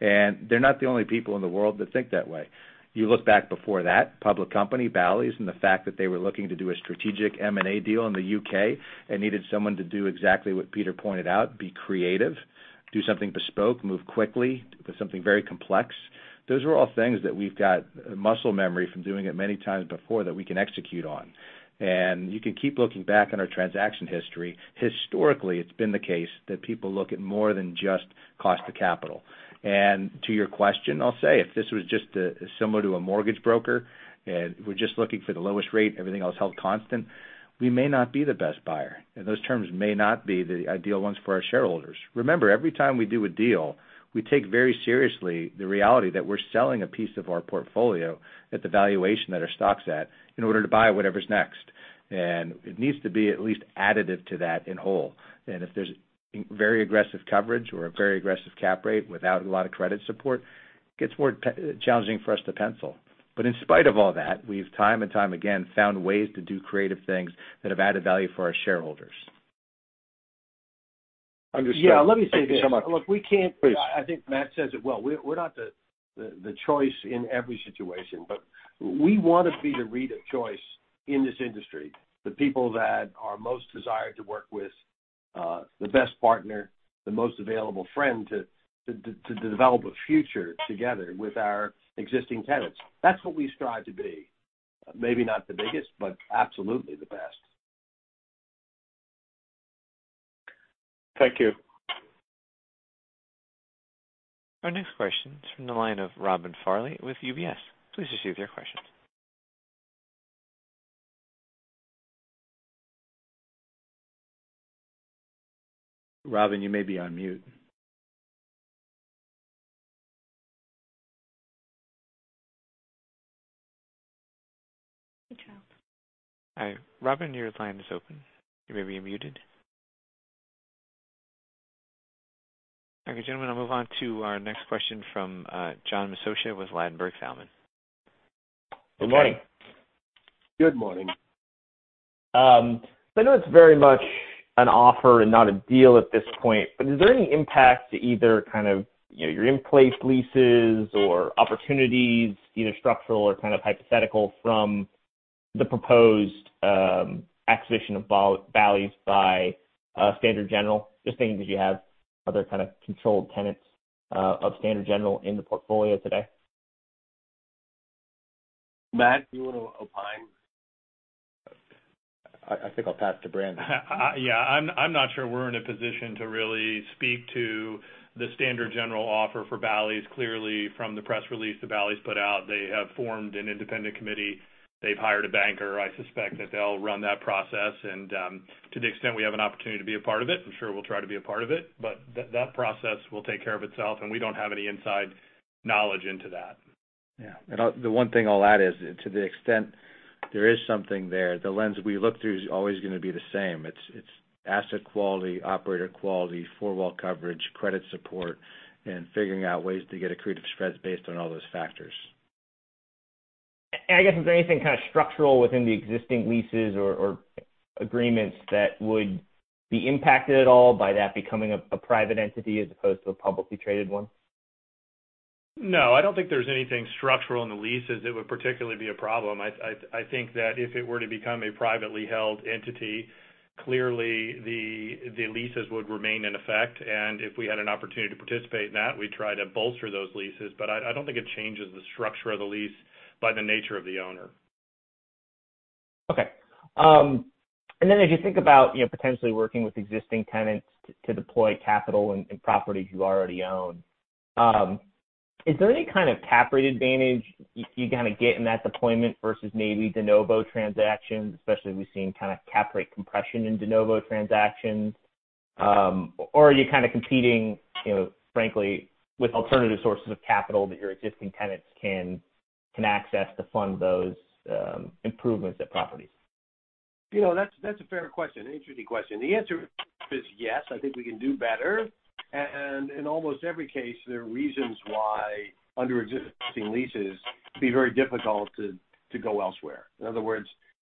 and they're not the only people in the world that think that way. You look back before that, public company, Bally's, and the fact that they were looking to do a strategic M&A deal in the U.K. and needed someone to do exactly what Peter pointed out, be creative, do something bespoke, move quickly with something very complex. Those are all things that we've got muscle memory from doing it many times before that we can execute on. You can keep looking back on our transaction history. Historically, it's been the case that people look at more than just cost of capital. To your question, I'll say if this was just similar to a mortgage broker, and we're just looking for the lowest rate, everything else held constant, we may not be the best buyer. Those terms may not be the ideal ones for our shareholders. Remember, every time we do a deal, we take very seriously the reality that we're selling a piece of our portfolio at the valuation that our stock's at in order to buy whatever's next. It needs to be at least additive to that in whole. If there's very aggressive coverage or a very aggressive cap rate without a lot of credit support, it gets more challenging for us to pencil. In spite of all that, we've time and time again, found ways to do creative things that have added value for our shareholders. Understood. Yeah. Let me say this. Thank you so much. Look, we can't. Please. I think Matt says it well. We're not the choice in every situation, but we want to be the REIT of choice in this industry. The people that are most desired to work with, the best partner, the most available friend to develop a future together with our existing tenants. That's what we strive to be. Maybe not the biggest, but absolutely the best. Thank you. Our next question is from the line of Robin Farley with UBS. Please proceed with your question. Robin, you may be on mute. Hi, Robin, your line is open. You may be muted. Okay, gentlemen, I'll move on to our next question from John Massocca with Ladenburg Thalmann. Good morning. Good morning. I know it's very much an offer and not a deal at this point, but is there any impact to either kind of, you know, your in-place leases or opportunities, either structural or kind of hypothetical, from the proposed acquisition of Bally's by Standard General? Just seeing that you have other kind of controlled tenants of Standard General in the portfolio today. Matt, do you wanna opine? I think I'll pass to Brandon. Yeah, I'm not sure we're in a position to really speak to the Standard General offer for Bally's. Clearly, from the press release that Bally's put out, they have formed an independent committee. They've hired a banker. I suspect that they'll run that process and, to the extent we have an opportunity to be a part of it, I'm sure we'll try to be a part of it, but that process will take care of itself, and we don't have any inside knowledge into that. The one thing I'll add is to the extent there is something there, the lens we look through is always gonna be the same. It's asset quality, operator quality, four-wall coverage, credit support, and figuring out ways to get accretive spreads based on all those factors. I guess, is there anything kinda structural within the existing leases or agreements that would be impacted at all by that becoming a private entity as opposed to a publicly traded one? No, I don't think there's anything structural in the leases that would particularly be a problem. I think that if it were to become a privately held entity, clearly the leases would remain in effect. If we had an opportunity to participate in that, we'd try to bolster those leases. I don't think it changes the structure of the lease by the nature of the owner. As you think about, you know, potentially working with existing tenants to deploy capital in properties you already own, is there any kind of cap rate advantage you kinda get in that deployment versus maybe de novo transactions, especially as we've seen kinda cap rate compression in de novo transactions? Are you kinda competing, you know, frankly, with alternative sources of capital that your existing tenants can access to fund those improvements at properties? You know, that's a fair question, an interesting question. The answer is yes, I think we can do better. In almost every case, there are reasons why under existing leases, it'd be very difficult to go elsewhere. In other words,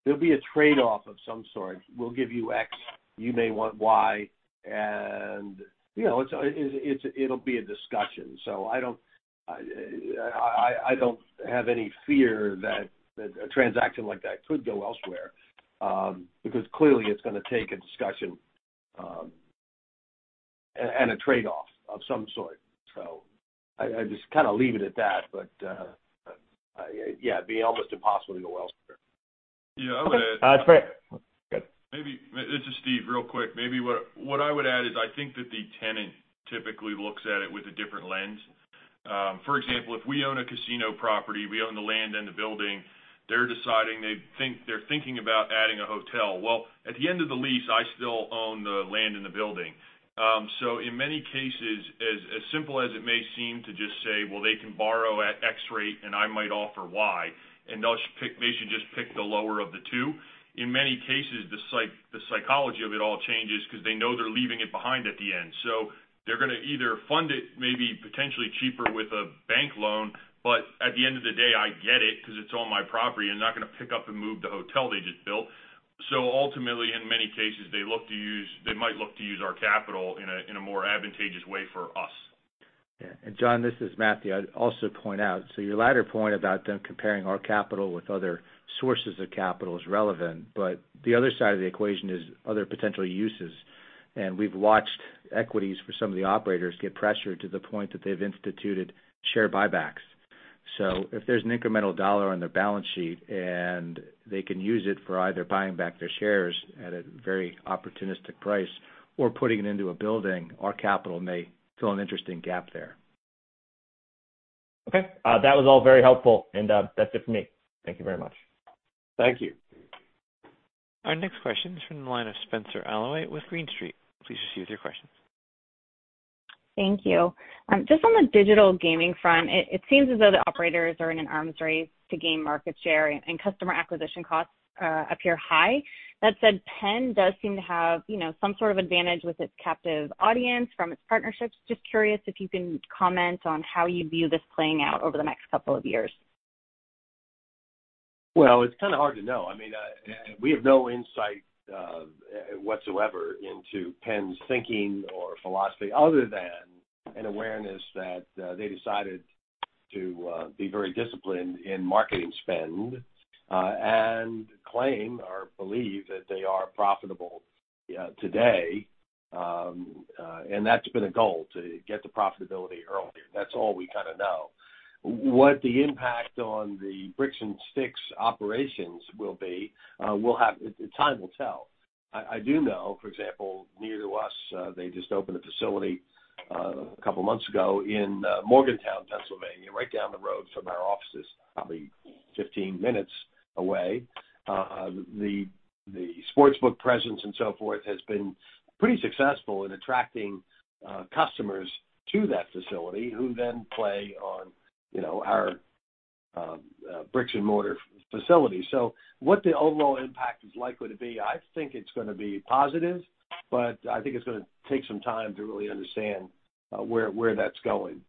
there'll be a trade-off of some sort. We'll give you X, you may want Y. You know, it'll be a discussion. I don't have any fear that a transaction like that could go elsewhere, because clearly it's gonna take a discussion, and a trade-off of some sort. I just kinda leave it at that. Yeah, it'd be almost impossible to go elsewhere. Okay. It's fair. Go ahead. This is Steve, real quick. Maybe what I would add is I think that the tenant typically looks at it with a different lens. For example, if we own a casino property, we own the land and the building, they're deciding they're thinking about adding a hotel. Well, at the end of the lease, I still own the land and the building. In many cases, as simple as it may seem to just say, "Well, they can borrow at X rate and I might offer Y, and they should just pick the lower of the two," in many cases, the psychology of it all changes 'cause they know they're leaving it behind at the end. They're gonna either fund it, maybe potentially cheaper with a bank loan, but at the end of the day, I get it 'cause it's on my property. They're not gonna pick up and move the hotel they just built. Ultimately, in many cases, they might look to use our capital in a more advantageous way for us. And John, this is Matthew. I'd also point out, so your latter point about them comparing our capital with other sources of capital is relevant, but the other side of the equation is other potential uses. We've watched equities for some of the operators get pressured to the point that they've instituted share buybacks. If there's an incremental dollar on their balance sheet and they can use it for either buying back their shares at a very opportunistic price or putting it into a building, our capital may fill an interesting gap there. Okay. That was all very helpful, and that's it for me. Thank you very much. Thank you. Our next question is from the line of Spenser Allaway with Green Street. Please just use your question. Thank you. Just on the digital gaming front, it seems as though the operators are in an arms race to gain market share and customer acquisition costs appear high. That said, Penn does seem to have, you know, some sort of advantage with its captive audience from its partnerships. Just curious if you can comment on how you view this playing out over the next couple of years. Well, it's kinda hard to know. I mean, we have no insight whatsoever into Penn's thinking or philosophy other than an awareness that they decided to be very disciplined in marketing spend and claim or believe that they are profitable today. That's been a goal, to get to profitability earlier. That's all we kinda know. What the impact on the bricks and sticks operations will be, time will tell. I do know, for example, near to us, they just opened a facility a couple of months ago in Morgantown, Pennsylvania, right down the road from our offices, probably 15 minutes away. The sports book presence and so forth has been pretty successful in attracting customers to that facility who then play on, you know, our brick and mortar facility. What the overall impact is likely to be, I think it's gonna be positive, but I think it's gonna take some time to really understand where that's going.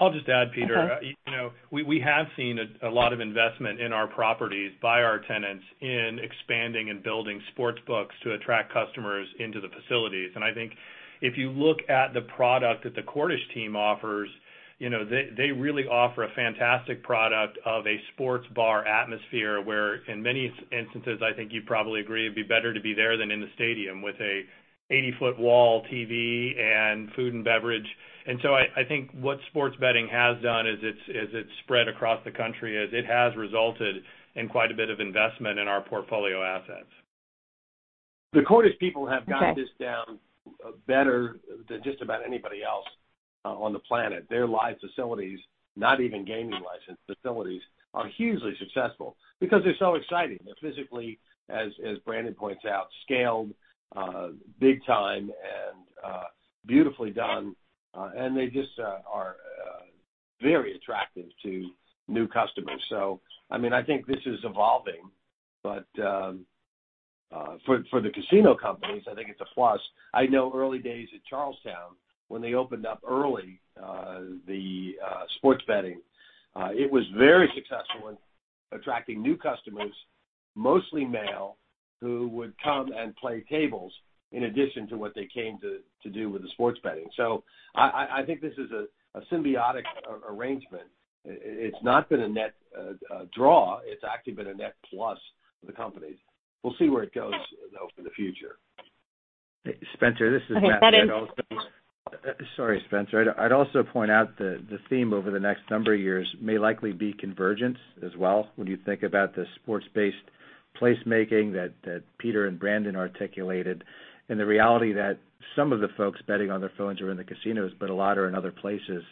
I'll just add, Peter. You know, we have seen a lot of investment in our properties by our tenants in expanding and building sports books to attract customers into the facilities. I think if you look at the product that the Cordish team offers, you know, they really offer a fantastic product of a sports bar atmosphere where in many instances, I think you'd probably agree it'd be better to be there than in the stadium with a 80-foot wall TV and food and beverage. I think what sports betting has done as it's spread across the country is it has resulted in quite a bit of investment in our portfolio assets. The Cordish people have got this down better than just about anybody else on the planet. Their live facilities, not even gaming license facilities, are hugely successful because they're so exciting. They're physically, as Brandon points out, scaled big time and beautifully done. They just are very attractive to new customers. I mean, I think this is evolving, but for the casino companies, I think it's a plus. I know early days at Charles Town, when they opened up early, the sports betting, it was very successful in attracting new customers, mostly male, who would come and play tables in addition to what they came to do with the sports betting. I think this is a symbiotic arrangement. It's not been a net draw. It's actually been a net plus for the companies. We'll see where it goes, though, for the future. Spenser, this is Matthew. Okay, Matt in. Sorry, Spenser. I'd also point out that the theme over the next number of years may likely be convergence as well. When you think about the sports-based placemaking that Peter and Brandon articulated and the reality that some of the folks betting on their phones are in the casinos, but a lot are in other places,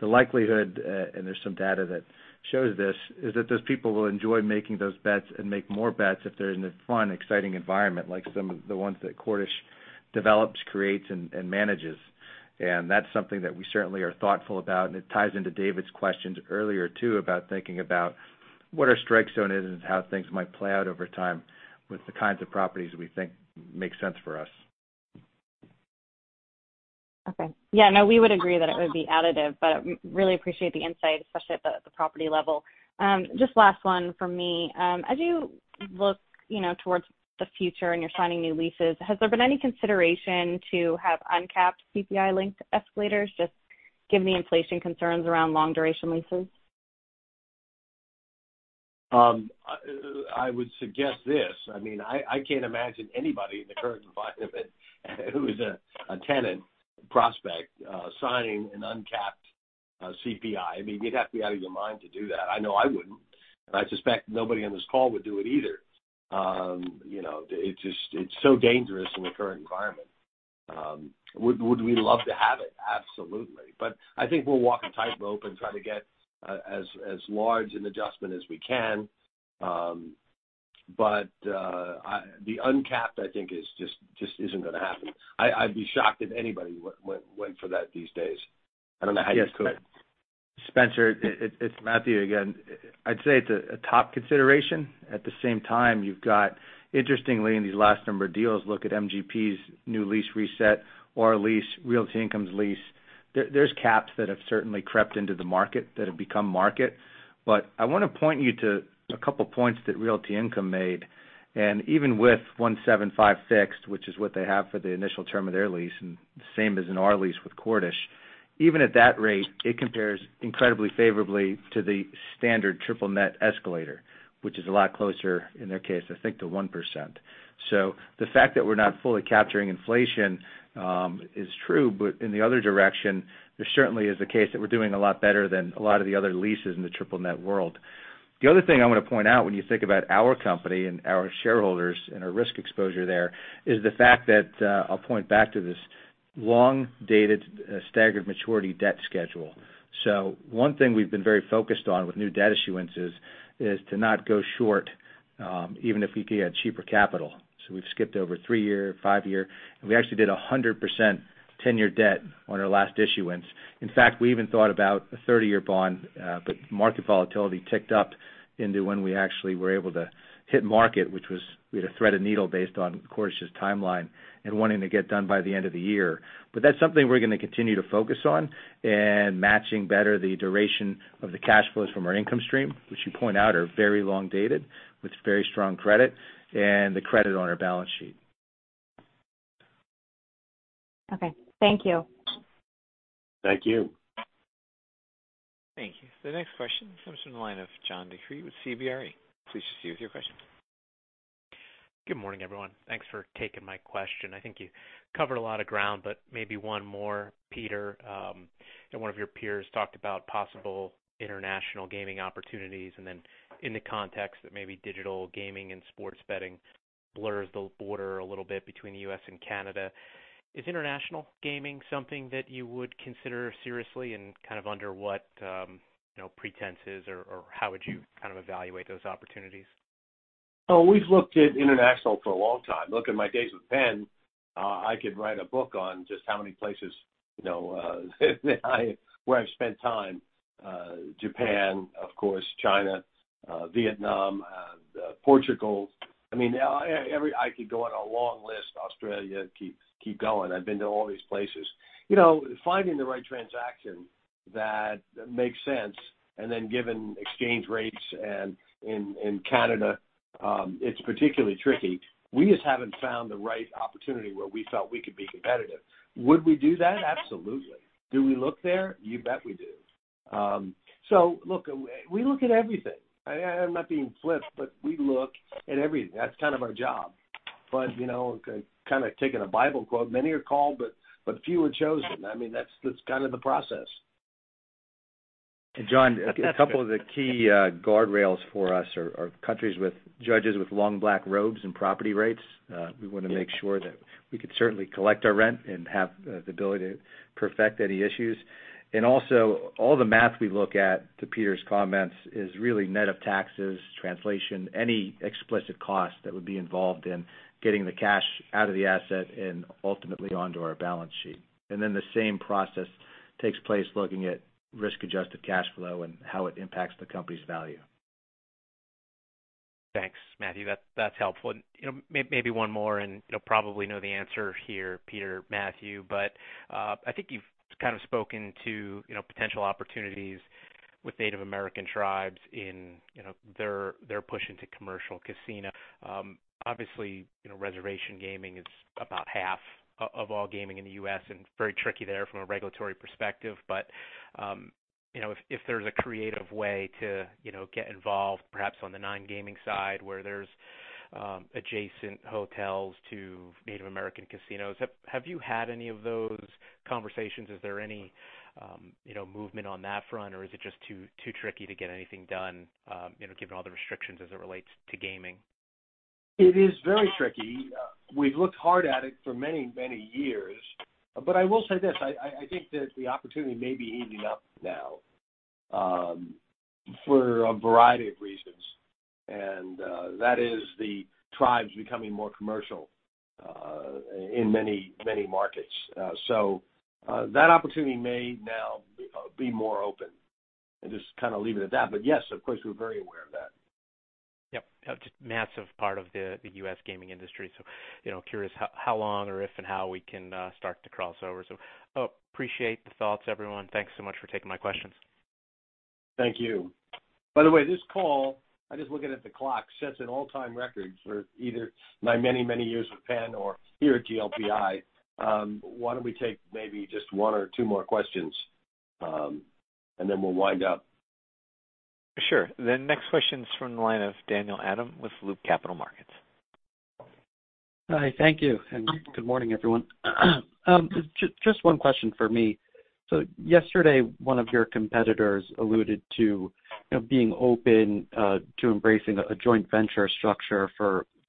the likelihood, and there's some data that shows this, is that those people will enjoy making those bets and make more bets if they're in a fun, exciting environment like some of the ones that Cordish develops, creates, and manages. That's something that we certainly are thoughtful about, and it ties into David's questions earlier, too, about thinking about what our strike zone is and how things might play out over time with the kinds of properties we think make sense for us. Okay. Yeah, no, we would agree that it would be additive, but really appreciate the insight, especially at the property level. Just last one from me. As you look, you know, towards the future and you're signing new leases, has there been any consideration to have uncapped CPI-linked escalators, just given the inflation concerns around long-duration leases? I would suggest this. I mean, I can't imagine anybody in the current environment who is a tenant prospect signing an uncapped CPI. I mean, you'd have to be out of your mind to do that. I know I wouldn't, and I suspect nobody on this call would do it either. You know, it just, it's so dangerous in the current environment. Would we love to have it? Absolutely. But I think we'll walk a tightrope and try to get as large an adjustment as we can. But the uncapped, I think, just isn't gonna happen. I'd be shocked if anybody went for that these days. I don't know how you could. Yes. Spenser, it's Matthew again. I'd say it's a top consideration. At the same time, you've got interestingly in these last number of deals, look at MGP's new lease reset or Realty Income's lease. There's caps that have certainly crept into the market that have become market. But I wanna point you to a couple points that Realty Income made. Even with 1.75% fixed, which is what they have for the initial term of their lease, and the same as in our lease with Cordish, even at that rate, it compares incredibly favorably to the standard triple net escalator, which is a lot closer in their case, I think to 1%. The fact that we're not fully capturing inflation is true, but in the other direction, there certainly is a case that we're doing a lot better than a lot of the other leases in the triple net world. The other thing I wanna point out when you think about our company and our shareholders and our risk exposure there is the fact that I'll point back to this long-dated staggered maturity debt schedule. One thing we've been very focused on with new debt issuances is to not go short even if we could get cheaper capital. We've skipped over three-year, five-year, and we actually did 100% 10-year debt on our last issuance. In fact, we even thought about a 30-year bond, but market volatility ticked up into when we actually were able to hit market, which was we had to thread a needle based on Cordish's timeline and wanting to get done by the end of the year. That's something we're gonna continue to focus on and matching better the duration of the cash flows from our income stream, which you point out are very long dated with very strong credit and the credit on our balance sheet. Okay. Thank you. Thank you. Thank you. The next question comes from the line of John DeCree with CBRE. Please proceed with your question. Good morning, everyone. Thanks for taking my question. I think you covered a lot of ground, but maybe one more. Peter, and one of your peers talked about possible international gaming opportunities, and then in the context that maybe digital gaming and sports betting blurs the border a little bit between the U.S. and Canada. Is international gaming something that you would consider seriously, and kind of under what, you know, pretenses or how would you kind of evaluate those opportunities? Oh, we've looked at international for a long time. Look, in my days with Penn, I could write a book on just how many places, you know, where I've spent time. Japan, of course, China, Vietnam, Portugal. I mean, every I could go on a long list. Australia, keep going. I've been to all these places. You know, finding the right transaction that makes sense, and then given exchange rates and in Canada, it's particularly tricky. We just haven't found the right opportunity where we felt we could be competitive. Would we do that? Absolutely. Do we look there? You bet we do. Look, we look at everything. I'm not being flip, but we look at everything. That's kind of our job. You know, kinda taking a Bible quote, many are called but few are chosen. I mean, that's kind of the process. John, a couple of the key guardrails for us are countries with judges with long black robes and property rights. We wanna make sure that we could certainly collect our rent and have the ability to perfect any issues. Also, all the math we look at, to Peter's comments, is really net of taxes, translation, any explicit costs that would be involved in getting the cash out of the asset and ultimately onto our balance sheet. Then the same process takes place looking at risk-adjusted cash flow and how it impacts the company's value. Thanks, Matthew. That's helpful. You know, maybe one more, and you'll probably know the answer here, Peter, Matthew, but I think you've kind of spoken to, you know, potential opportunities with Native American tribes in, you know, their push into commercial casino. Obviously, you know, reservation gaming is about half of all gaming in the U.S. and very tricky there from a regulatory perspective. You know, if there's a creative way to, you know, get involved, perhaps on the non-gaming side where there's adjacent hotels to Native American casinos, have you had any of those conversations? Is there any, you know, movement on that front, or is it just too tricky to get anything done, you know, given all the restrictions as it relates to gaming? It is very tricky. We've looked hard at it for many, many years. I will say this, I think that the opportunity may be easing up now, for a variety of reasons. That is the tribes becoming more commercial, in many, many markets. That opportunity may now be more open. I'll just kinda leave it at that. Yes, of course, we're very aware of that. Yep. Just massive part of the U.S. gaming industry. You know, curious how long or if and how we can start to cross over. Appreciate the thoughts, everyone. Thanks so much for taking my questions. Thank you. By the way, this call, I'm just looking at the clock, sets an all-time record for either my many, many years with Penn or here at GLPI. Why don't we take maybe just one or two more questions, and then we'll wind up. Sure. The next question is from the line of Daniel Adam with Loop Capital Markets. Hi. Thank you and good morning, everyone. Just one question for me. Yesterday, one of your competitors alluded to, you know, being open to embracing a joint venture structure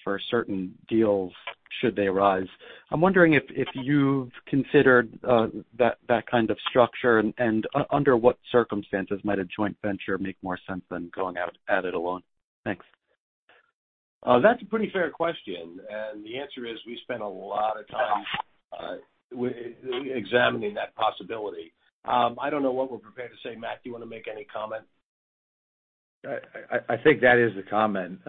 for certain deals should they arise. I'm wondering if you've considered that kind of structure and under what circumstances might a joint venture make more sense than going at it alone? Thanks. That's a pretty fair question. The answer is, we spend a lot of time examining that possibility. I don't know what we're prepared to say. Matt, do you wanna make any comment? I think that is the comment.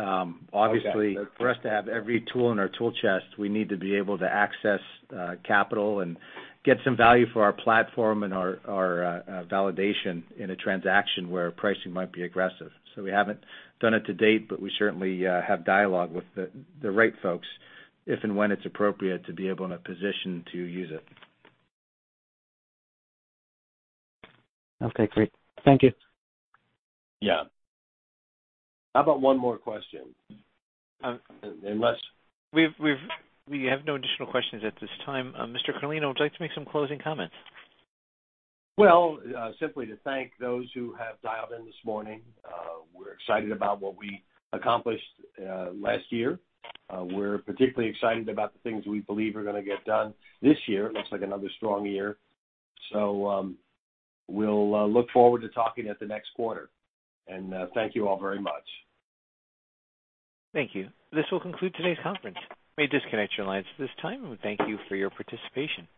Obviously. Okay. For us to have every tool in our tool chest, we need to be able to access capital and get some value for our platform and our validation in a transaction where pricing might be aggressive. We haven't done it to date, but we certainly have dialogue with the right folks if and when it's appropriate to be able in a position to use it. Okay, great. Thank you. Yeah. How about one more question? We have no additional questions at this time. Mr. Carlino, would you like to make some closing comments? Well, simply to thank those who have dialed in this morning. We're excited about what we accomplished last year. We're particularly excited about the things we believe are gonna get done this year. It looks like another strong year. We'll look forward to talking at the next quarter. Thank you all very much. Thank you. This will conclude today's conference. You may disconnect your lines at this time, and thank you for your participation.